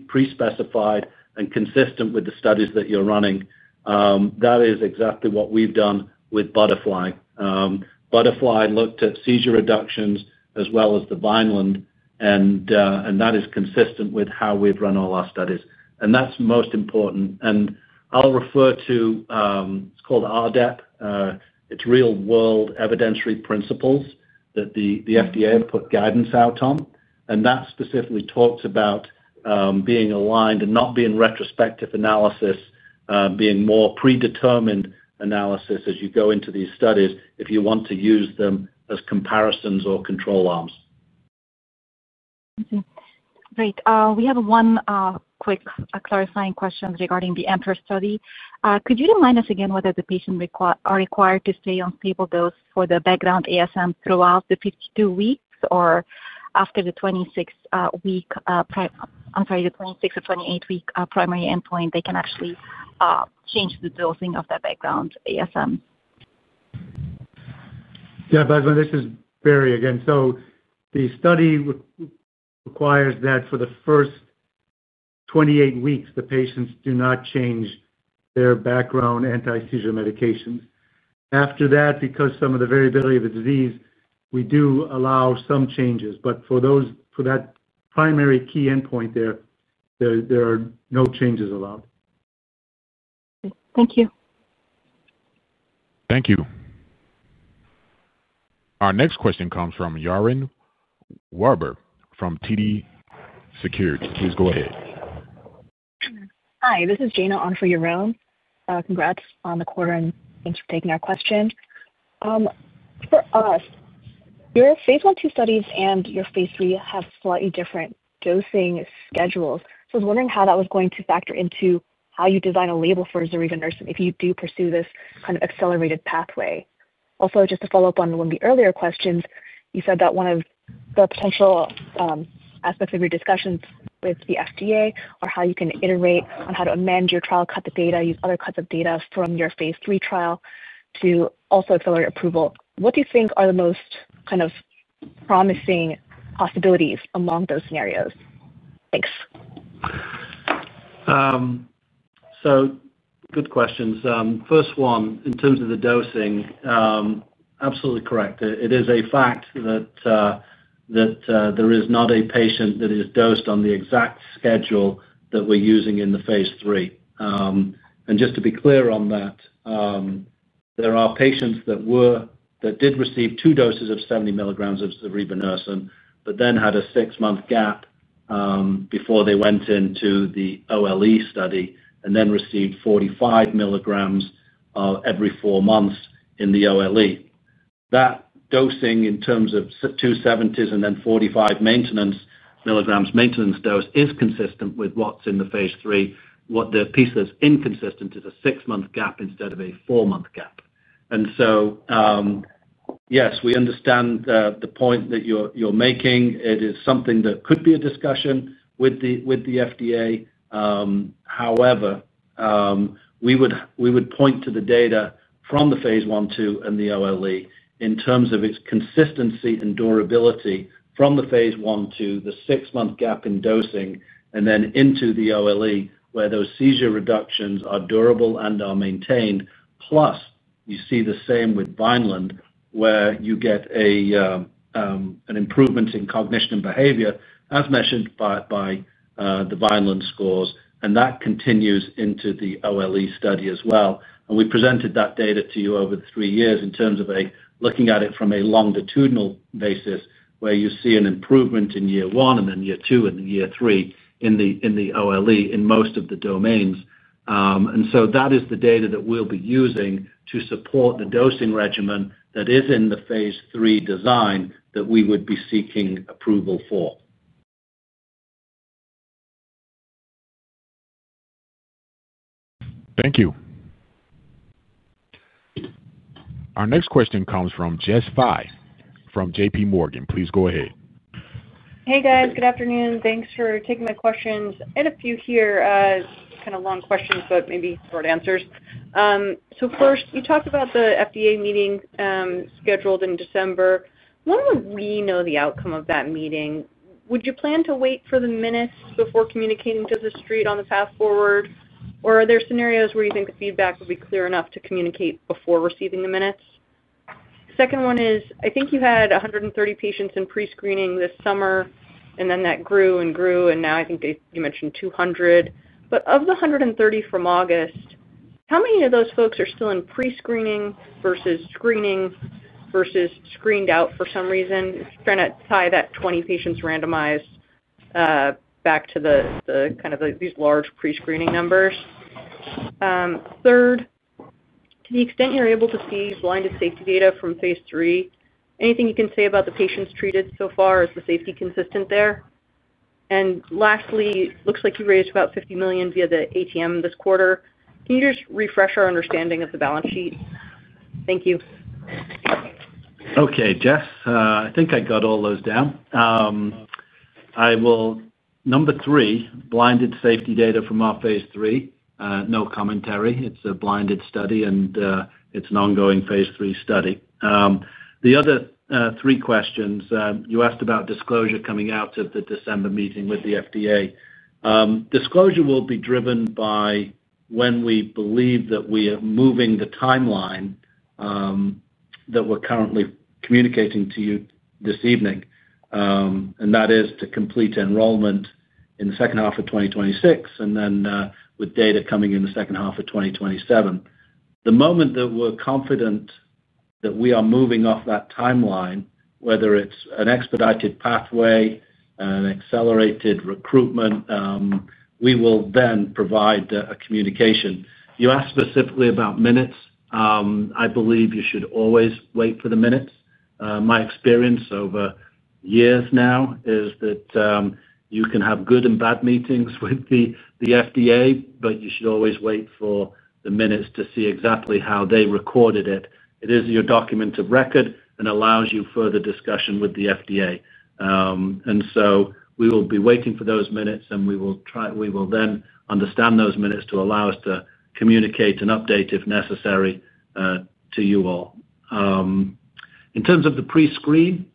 pre-specified and consistent with the studies that you're running. That is exactly what we've done with BUTTERFLY. BUTTERFLY looked at seizure reductions as well as the Vineland. And that is consistent with how we've run all our studies. And that's most important. And I'll refer to it. It's called RDEP. It's Real-World Evidentiary Principles that the FDA put guidance out on. And that specifically talks about being aligned and not being retrospective analysis, being more predetermined analysis as you go into these studies if you want to use them as comparisons or control arms. Okay. Great. We have one quick clarifying question regarding the EMPEROR study. Could you remind us again whether the patients are required to stay on stable dose for the background ASM throughout the 52 weeks or after the 26th week? I'm sorry, the 26th or 28th week primary endpoint, they can actually change the dosing of their background ASM? Yeah. This is Barry again. So the study requires that for the first 28 weeks, the patients do not change their background Anti-Seizure Medications. After that, because of some of the variability of the disease, we do allow some changes. But for that primary key endpoint there, there are no changes allowed. Okay. Thank you. Thank you. Our next question comes from Yaron Werber from TD Securities. Please go ahead. Hi. This is Jana Ong for Yaron. Congrats on the quarter, and thanks for taking our question. For us, your phase I/II studies and your phase III have slightly different dosing schedules. So I was wondering how that was going to factor into how you design a label for zorevunersen if you do pursue this kind of accelerated pathway. Also, just to follow up on one of the earlier questions, you said that one of the potential aspects of your discussions with the FDA are how you can iterate on how to amend your trial, cut the data, use other cuts of data from your phase III trial to also accelerate approval. What do you think are the most kind of promising possibilities among those scenarios? Thanks. So good questions. First one, in terms of the dosing. Absolutely correct. It is a fact that there is not a patient that is dosed on the exact schedule that we're using in the phase III. And just to be clear on that. There are patients that did receive two doses of 70 mg of zorevunersen but then had a six-month gap. Before they went into the OLE study and then received 45 mg every four months in the OLE. That dosing in terms of 70s and then 45 mg maintenance dose is consistent with what's in the phase III. What the piece that's inconsistent is a six-month gap instead of a four-month gap. And so yes, we understand the point that you're making. It is something that could be a discussion with the FDA. However, we would point to the data from the phase I/II and the OLE in terms of its consistency and durability from the phase I/II, the six-month gap in dosing, and then into the OLE where those seizure reductions are durable and are maintained. Plus, you see the same with Vineland where you get an improvement in cognition and behavior, as mentioned by the Vineland scores. And that continues into the OLE study as well. And we presented that data to you over three years in terms of looking at it from a longitudinal basis where you see an improvement in year one and then year two and then year three in the OLE in most of the domains. And so that is the data that we'll be using to support the dosing regimen that is in the phase III design that we would be seeking approval for. Thank you. Our next question comes from Jessica Fye from JPMorgan. Please go ahead. Hey, guys. Good afternoon. Thanks for taking my questions. And a few here kind of long questions, but maybe short answers. So first, you talked about the FDA meeting scheduled in December. When would we know the outcome of that meeting? Would you plan to wait for the minutes before communicating to the street on the path forward? Or are there scenarios where you think the feedback would be clear enough to communicate before receiving the minutes? Second one is, I think you had 130 patients in pre-screening this summer, and then that grew and grew, and now I think you mentioned 200. But of the 130 from August. How many of those folks are still in pre-screening versus screening versus screened out for some reason? Trying to tie that 20 patients randomized. Back to kind of these large pre-screening numbers. Third, to the extent you're able to see blinded safety data from phase III, anything you can say about the patients treated so far? Is the safety consistent there? And lastly, it looks like you raised about $50 million via the ATM this quarter. Can you just refresh our understanding of the balance sheet? Thank you. Okay. Jess, I think I got all those down. Number three, blinded safety data from our phase III. No commentary. It's a blinded study, and it's an ongoing phase III study. The other three questions, you asked about disclosure coming out of the December meeting with the FDA. Disclosure will be driven by when we believe that we are moving the timeline that we're currently communicating to you this evening. And that is to complete enrollment in the second half of 2026 and then with data coming in the second half of 2027. The moment that we're confident that we are moving off that timeline, whether it's an expedited pathway, an accelerated recruitment, we will then provide a communication. You asked specifically about minutes. I believe you should always wait for the minutes. My experience over years now is that you can have good and bad meetings with the FDA, but you should always wait for the minutes to see exactly how they recorded it. It is your document of record and allows you further discussion with the FDA. And so we will be waiting for those minutes, and we will then understand those minutes to allow us to communicate and update if necessary to you all. In terms of the pre-screen,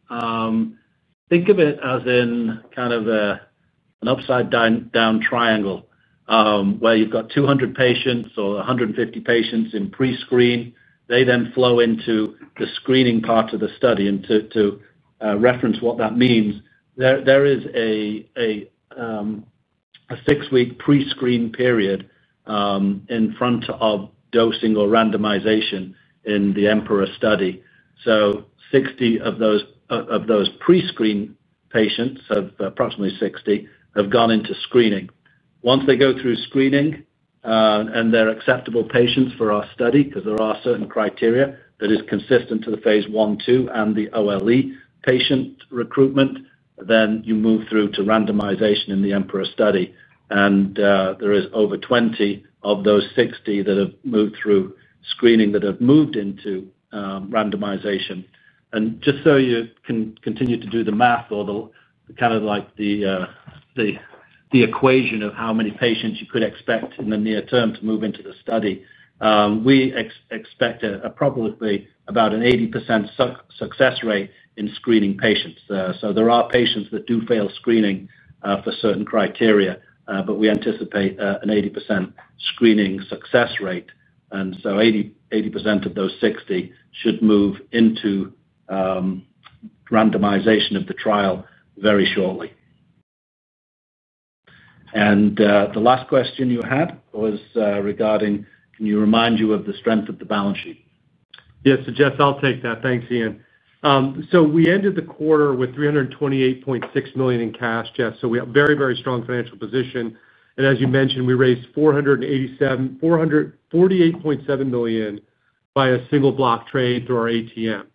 think of it as in kind of an upside-down triangle where you've got 200 patients or 150 patients in pre-screen. They then flow into the screening part of the study. And to reference what that means, there is a six-week pre-screen period in front of dosing or randomization in the EMPEROR study. So 60 of those pre-screen patients, so approximately 60, have gone into screening. Once they go through screening and they're acceptable patients for our study because there are certain criteria that are consistent to the phase I/II and the OLE patient recruitment, then you move through to randomization in the EMPEROR study. And there is over 20 of those 60 that have moved through screening that have moved into randomization. And just so you can continue to do the math or kind of like the equation of how many patients you could expect in the near term to move into the study, we expect probably about an 80% success rate in screening patients. So there are patients that do fail screening for certain criteria, but we anticipate an 80% screening success rate. And so 80% of those 60 should move into randomization of the trial very shortly. And the last question you had was regarding, can you remind you of the strength of the balance sheet? Yes. So Jess, I'll take that. Thanks, Ian. So we ended the quarter with $328.6 million in cash, Jess. So we have a very, very strong financial position. And as you mentioned, we raised $487.4 million by a single block trade through our ATM.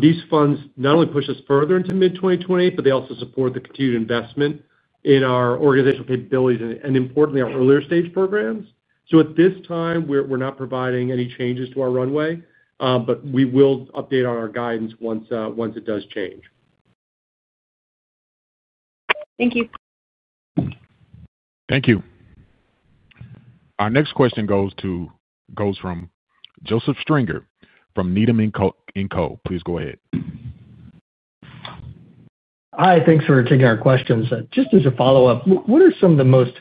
These funds not only push us further into mid-2028, but they also support the continued investment in our organizational capabilities and, importantly, our earlier stage programs. So at this time, we're not providing any changes to our runway, but we will update on our guidance once it does change. Thank you. Thank you. Our next question goes from Joseph Stringer from Needham & Co. Please go ahead. Hi. Thanks for taking our questions. Just as a follow-up, what are some of the most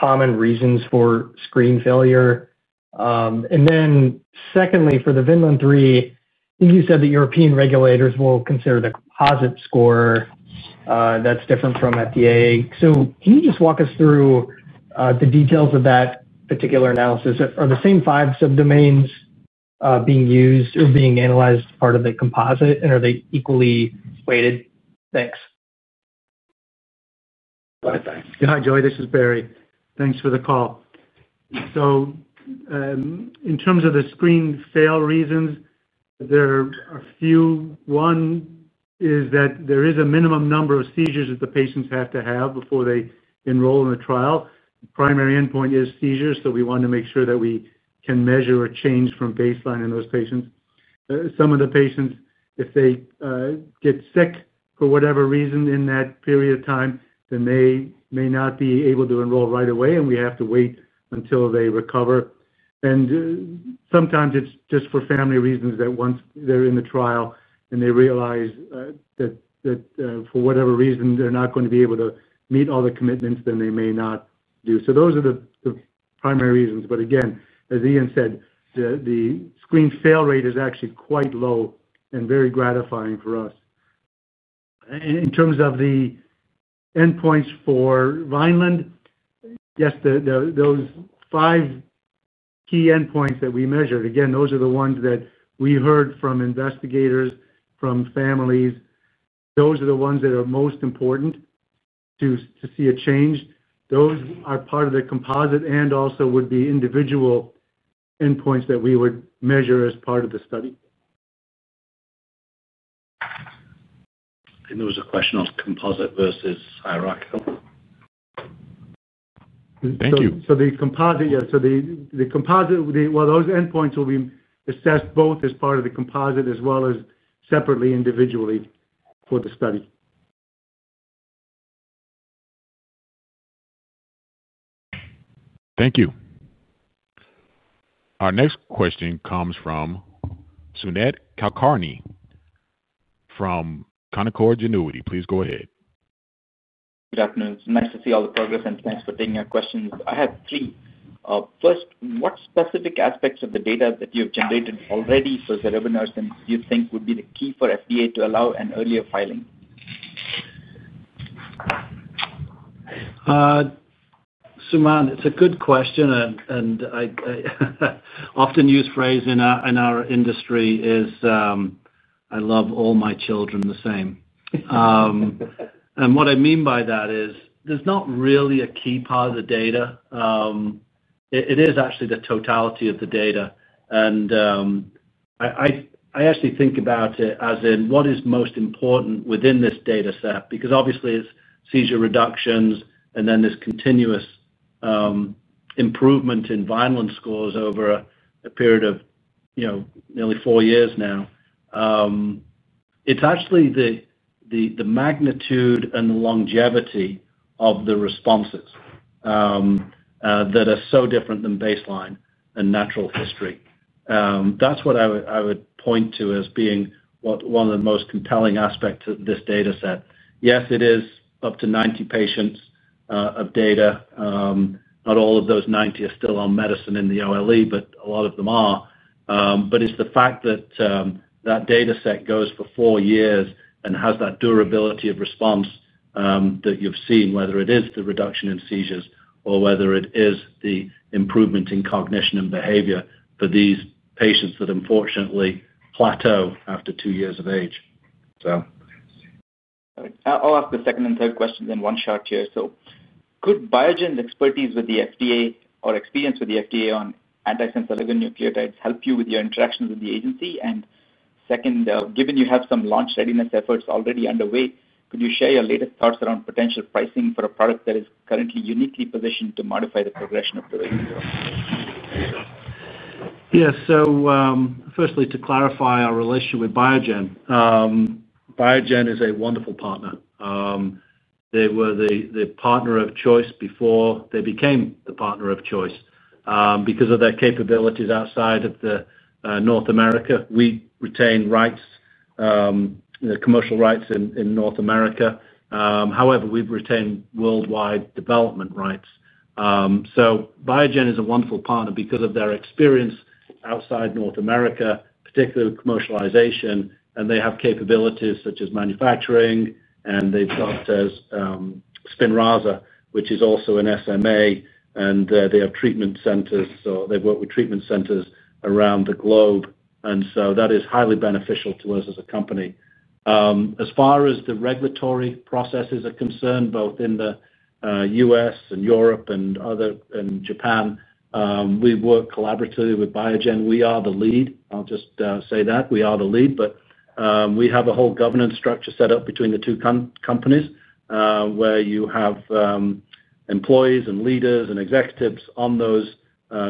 common reasons for screen failure? And then secondly, for the Vineland-III, I think you said that European regulators will consider the composite score. That's different from FDA. So can you just walk us through the details of that particular analysis? Are the same five subdomains being used or being analyzed as part of the composite, and are they equally weighted? Thanks. Hi, Joseph. This is Barry. Thanks for the call. So, in terms of the screen fail reasons, there are a few. One is that there is a minimum number of seizures that the patients have to have before they enroll in the trial. The primary endpoint is seizures, so we want to make sure that we can measure a change from baseline in those patients. Some of the patients, if they get sick for whatever reason in that period of time, then they may not be able to enroll right away, and we have to wait until they recover, and sometimes it's just for family reasons that once they're in the trial and they realize that, for whatever reason they're not going to be able to meet all the commitments, then they may not do, so those are the primary reasons, but again, as Ian said, the screen fail rate is actually quite low and very gratifying for us. In terms of the endpoints for Vigilant, yes, those five key endpoints that we measured, again, those are the ones that we heard from investigators, from families. Those are the ones that are most important to see a change. Those are part of the composite and also would be individual endpoints that we would measure as part of the study. And there was a question on composite versus hierarchical. Thank you. So the composite, well, those endpoints will be assessed both as part of the composite as well as separately individually for the study. Thank you. Our next question comes from Sumant Kulkarni from Canaccord Genuity. Please go ahead. Good afternoon. It's nice to see all the progress, and thanks for taking our questions. I have three. First, what specific aspects of the data that you have generated already for zorevunersen do you think would be the key for FDA to allow an earlier filing? Sumant, it's a good question, and I often use the phrase in our industry, "I love all my children the same," and what I mean by that is there's not really a key part of the data. It is actually the totality of the data, and I actually think about it as in what is most important within this data set because obviously it's seizure reductions and then this continuous improvement in Vineland scores over a period of nearly four years now. It's actually the magnitude and the longevity of the responses that are so different than baseline and natural history. That's what I would point to as being one of the most compelling aspects of this data set. Yes, it is up to 90 patients' data. Not all of those 90 are still on medicine in the OLE, but a lot of them are. But it's the fact that that data set goes for four years and has that durability of response that you've seen, whether it is the reduction in seizures or whether it is the improvement in cognition and behavior for these patients that unfortunately plateau after two years of age, so. I'll ask the second and third questions in one shot here. So could Biogen's expertise with the FDA or experience with the FDA on antisense oligonucleotides help you with your interactions with the agency? And second, given you have some launch readiness efforts already underway, could you share your latest thoughts around potential pricing for a product that is currently uniquely positioned to modify the progression of the disease? Yes. So firstly, to clarify our relationship with Biogen. Biogen is a wonderful partner. They were the partner of choice before they became the partner of choice because of their capabilities outside of North America. We retain rights. Commercial rights in North America. However, we've retained worldwide development rights. So Biogen is a wonderful partner because of their experience outside North America, particularly commercialization, and they have capabilities such as manufacturing, and they've got SPINRAZA, which is also an SMA, and they have treatment centers. So they've worked with treatment centers around the globe. And so that is highly beneficial to us as a company. As far as the regulatory processes are concerned, both in the U.S. and Europe and Japan, we work collaboratively with Biogen. We are the lead. I'll just say that. We are the lead. But we have a whole governance structure set up between the two companies where you have employees and leaders and executives on those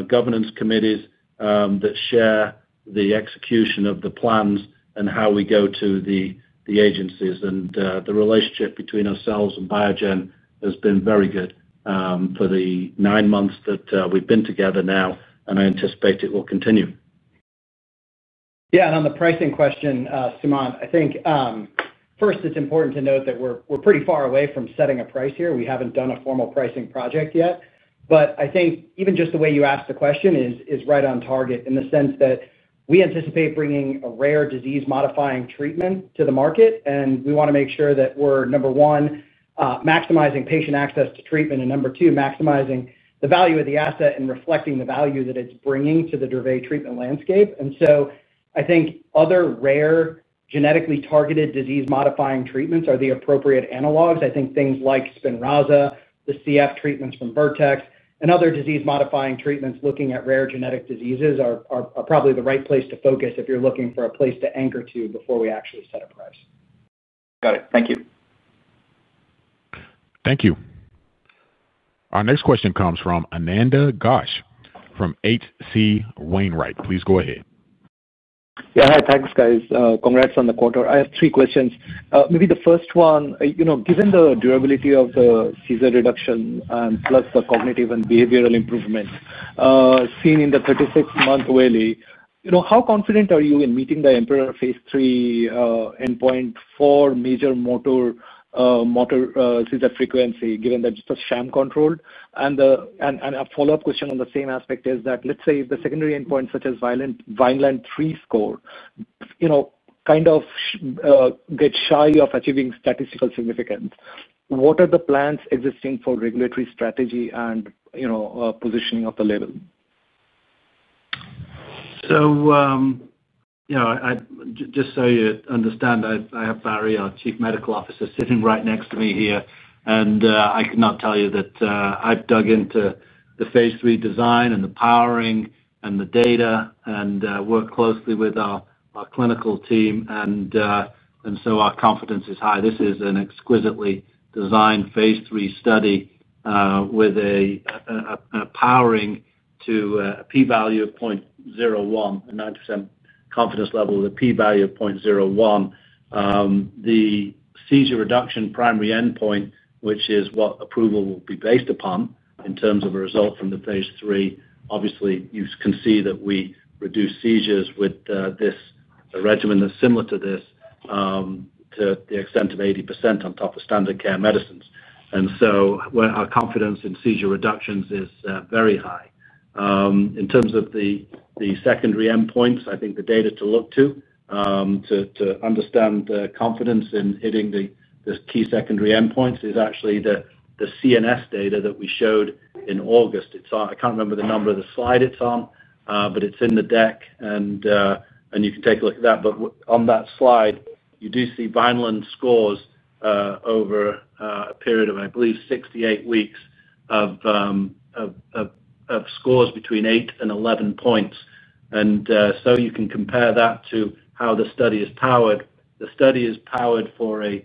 governance committees that share the execution of the plans and how we go to the agencies. And the relationship between ourselves and Biogen has been very good for the nine months that we've been together now, and I anticipate it will continue. Yeah, and on the pricing question, Suman, I think, first, it's important to note that we're pretty far away from setting a price here. We haven't done a formal pricing project yet, but I think even just the way you asked the question is right on target in the sense that we anticipate bringing a rare Disease Modifying Treatment to the market, and we want to make sure that we're, number one, maximizing patient access to treatment, and number two, maximizing the value of the asset and reflecting the value that it's bringing to the Dravet treatment landscape, and so I think other rare genetically targeted Disease Modifying Treatments are the appropriate analogs. I think things like SPINRAZA, the CF treatments from Vertex, and other disease Modifying Treatments looking at rare Genetic Diseases are probably the right place to focus if you're looking for a place to anchor to before we actually set a price. Got it. Thank you. Thank you. Our next question comes from Ananda Ghosh from H.C. Wainwright. Please go ahead. Yeah. Hi, thanks, guys. Congrats on the quarter. I have three questions. Maybe the first one, given the durability of the seizure reduction and plus the cognitive and behavioral improvement seen in the 36-month Wiley, how confident are you in meeting the EMPEROR phase III endpoint for major motor seizure frequency, given that it's just sham-controlled? And a follow-up question on the same aspect is that, let's say, if the secondary endpoint, such as Vineland-III score, kind of gets shy of achieving statistical significance, what are the plans existing for regulatory strategy and positioning of the label? Just so you understand, I have Barry, our Chief Medical Officer, sitting right next to me here. And I cannot tell you that I've dug into the phase III design and the powering and the data and worked closely with our clinical team. And. So our confidence is high. This is an exquisitely designed phase III study with a. Powering to a P-value of 0.01, a 90% confidence level, with a P-value of 0.01. The seizure reduction primary endpoint, which is what approval will be based upon in terms of a result from the phase III, obviously, you can see that we reduce seizures with this regimen that's similar to this. To the extent of 80% on top of standard care medicines. And so our confidence in seizure reductions is very high. In terms of the secondary endpoints, I think the data to look to. To understand the confidence in hitting the key secondary endpoints is actually the CNS data that we showed in August. I can't remember the number of the slide it's on, but it's in the deck, and you can take a look at that. But on that slide, you do see Vineland scores over. A period of, I believe, 68 weeks of. Scores between 8 and 11 points. And so you can compare that to how the study is powered. The study is powered for a.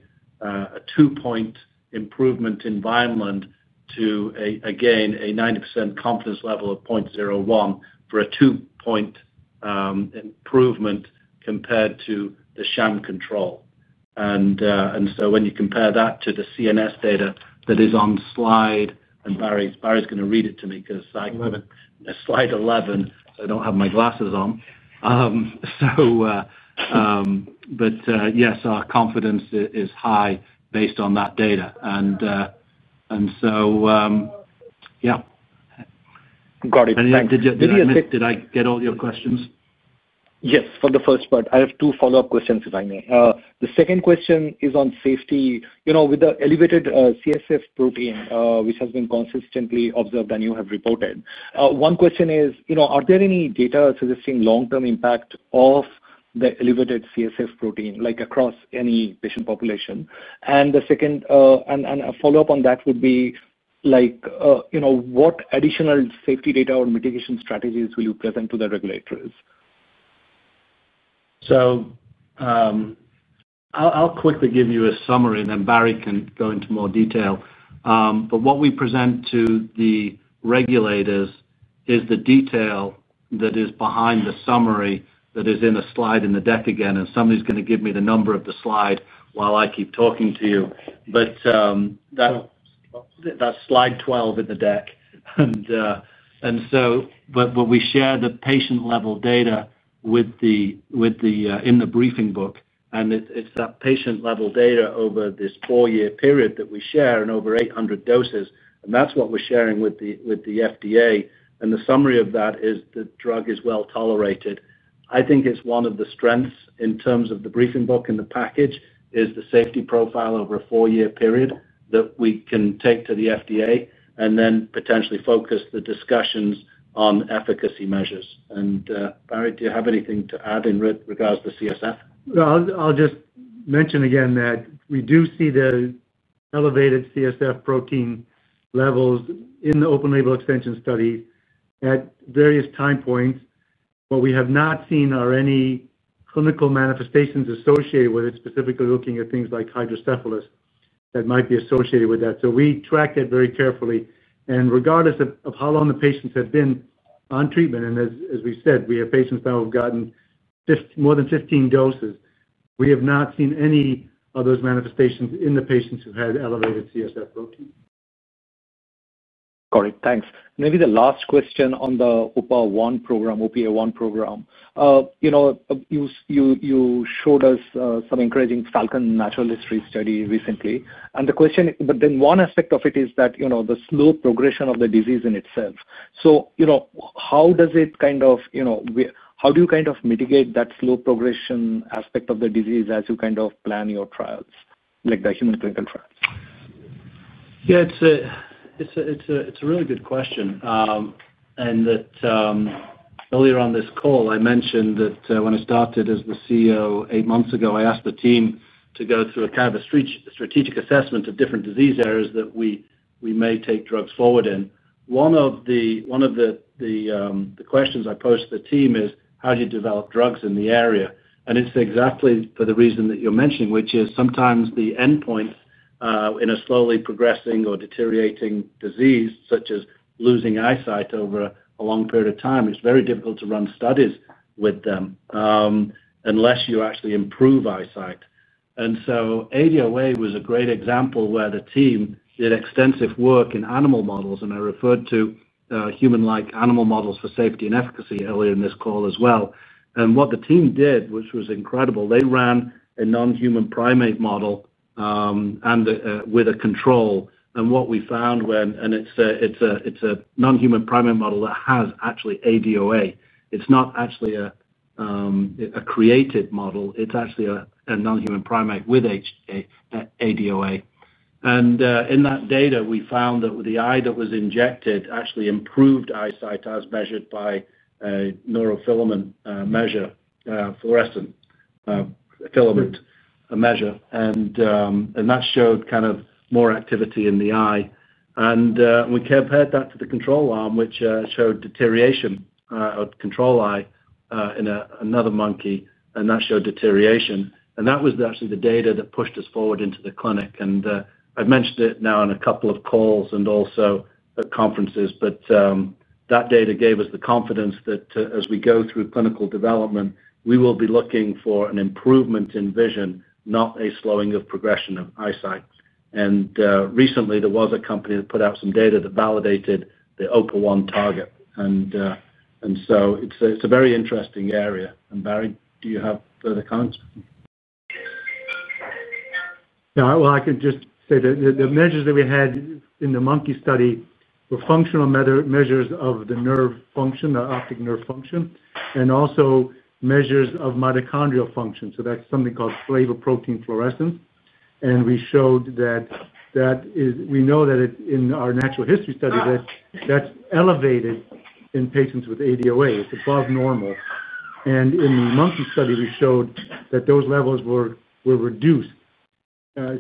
Two-point improvement in Vineland to, again, a 90% confidence level of 0.01 for a two-point. Improvement compared to the sham control. And so when you compare that to the CNS data that is on slide and Barry's going to read it to me because I'm in slide 11, so I don't have my glasses on. So. But yes, our confidence is high based on that data. And. So. Yeah. I'm sorry. Did you? Did I get all your questions? Yes, for the first part. I have two follow-up questions, if I may. The second question is on safety. With the elevated CSF Protein, which has been consistently observed and you have reported, one question is, are there any data suggesting long-term impact of the elevated CSF Protein across any patient population? And a follow-up on that would be. What additional safety data or mitigation strategies will you present to the regulators? I'll quickly give you a summary, and then Barry can go into more detail. But what we present to the regulators is the detail that is behind the summary that is in a slide in the deck again. And somebody's going to give me the number of the slide while I keep talking to you. That's slide 12 in the deck. So, but we share the patient-level data with them in the briefing book. And it's that patient-level data over this four-year period that we share and over 800 doses. And that's what we're sharing with the FDA. And the summary of that is the drug is well tolerated. I think it's one of the strengths in terms of the briefing book and the package, is the safety profile over a four-year period that we can take to the FDA and then potentially focus the discussions on efficacy measures. And Barry, do you have anything to add in regards to CSF? I'll just mention again that we do see the elevated CSF Protein levels in the open-label extension study at various time points. What we have not seen are any clinical manifestations associated with it, specifically looking at things like hydrocephalus that might be associated with that. So we track that very carefully. And regardless of how long the patients have been on treatment, and as we said, we have patients now who have gotten more than 15 doses, we have not seen any of those manifestations in the patients who had elevated CSF Protein. Got it. Thanks. Maybe the last question on the OPA1 program, OPA1 program. You showed us some encouraging Falcon Natural History study recently. And the question, but then one aspect of it is that the slow progression of the disease in itself. So. How does it kind of. How do you kind of mitigate that slow progression aspect of the disease as you kind of plan your trials, like the human clinical trials? Yeah. It's a really good question. Earlier on this call, I mentioned that when I started as the CEO eight months ago, I asked the team to go through a kind of a strategic assessment of different disease areas that we may take drugs forward in. One of the questions I posed to the team is, how do you develop drugs in the area? And it's exactly for the reason that you're mentioning, which is sometimes the endpoint in a slowly progressing or deteriorating disease, such as losing eyesight over a long period of time. It's very difficult to run studies with them unless you actually improve eyesight. And so ADOA was a great example where the team did extensive work in animal models. And I referred to human-like animal models for safety and efficacy earlier in this call as well. And what the team did, which was incredible, they ran a non-human primate model with a control. And what we found, and it's a non-human primate model that has actually ADOA. It's not actually a created model. It's actually a non-human primate with ADOA. And in that data, we found that the eye that was injected actually improved eyesight as measured by neurofilament measure, fluorescent filament measure. And that showed kind of more activity in the eye. And we compared that to the control arm, which showed deterioration of control eye in another monkey. And that showed deterioration. And that was actually the data that pushed us forward into the clinic. And I've mentioned it now in a couple of calls and also at conferences. But that data gave us the confidence that as we go through Clinical Development, we will be looking for an improvement in vision, not a slowing of progression of eyesight. And recently, there was a company that put out some data that validated the OPA1 target. So it's a very interesting area. And Barry, do you have further comments? Yeah. Well, I could just say that the measures that we had in the monkey study were functional measures of the nerve function, the optic nerve function, and also measures of mitochondrial function. So that's something called flavoprotein fluorescence. And we showed that. We know that in our natural history study, that's elevated in patients with ADOA. It's above normal. And in the Monkey Study, we showed that those levels were reduced.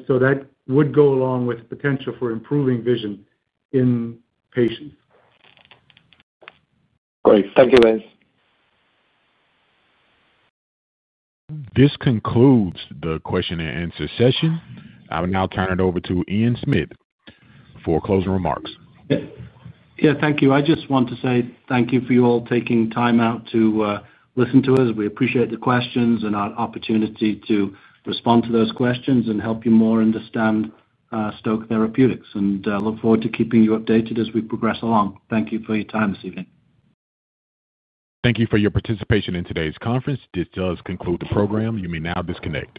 So that would go along with the potential for improving vision in patients. Great. Thank you, guys. This concludes the question and answer session. I will now turn it over to Ian Smith. For closing remarks. Yeah. Thank you. I just want to say thank you for you all taking time out to listen to us. We appreciate the questions and our opportunity to respond to those questions and help you more understand Stoke Therapeutics, and I look forward to keeping you updated as we progress along. Thank you for your time this evening. Thank you for your participation in today's conference. This does conclude the program. You may now disconnect.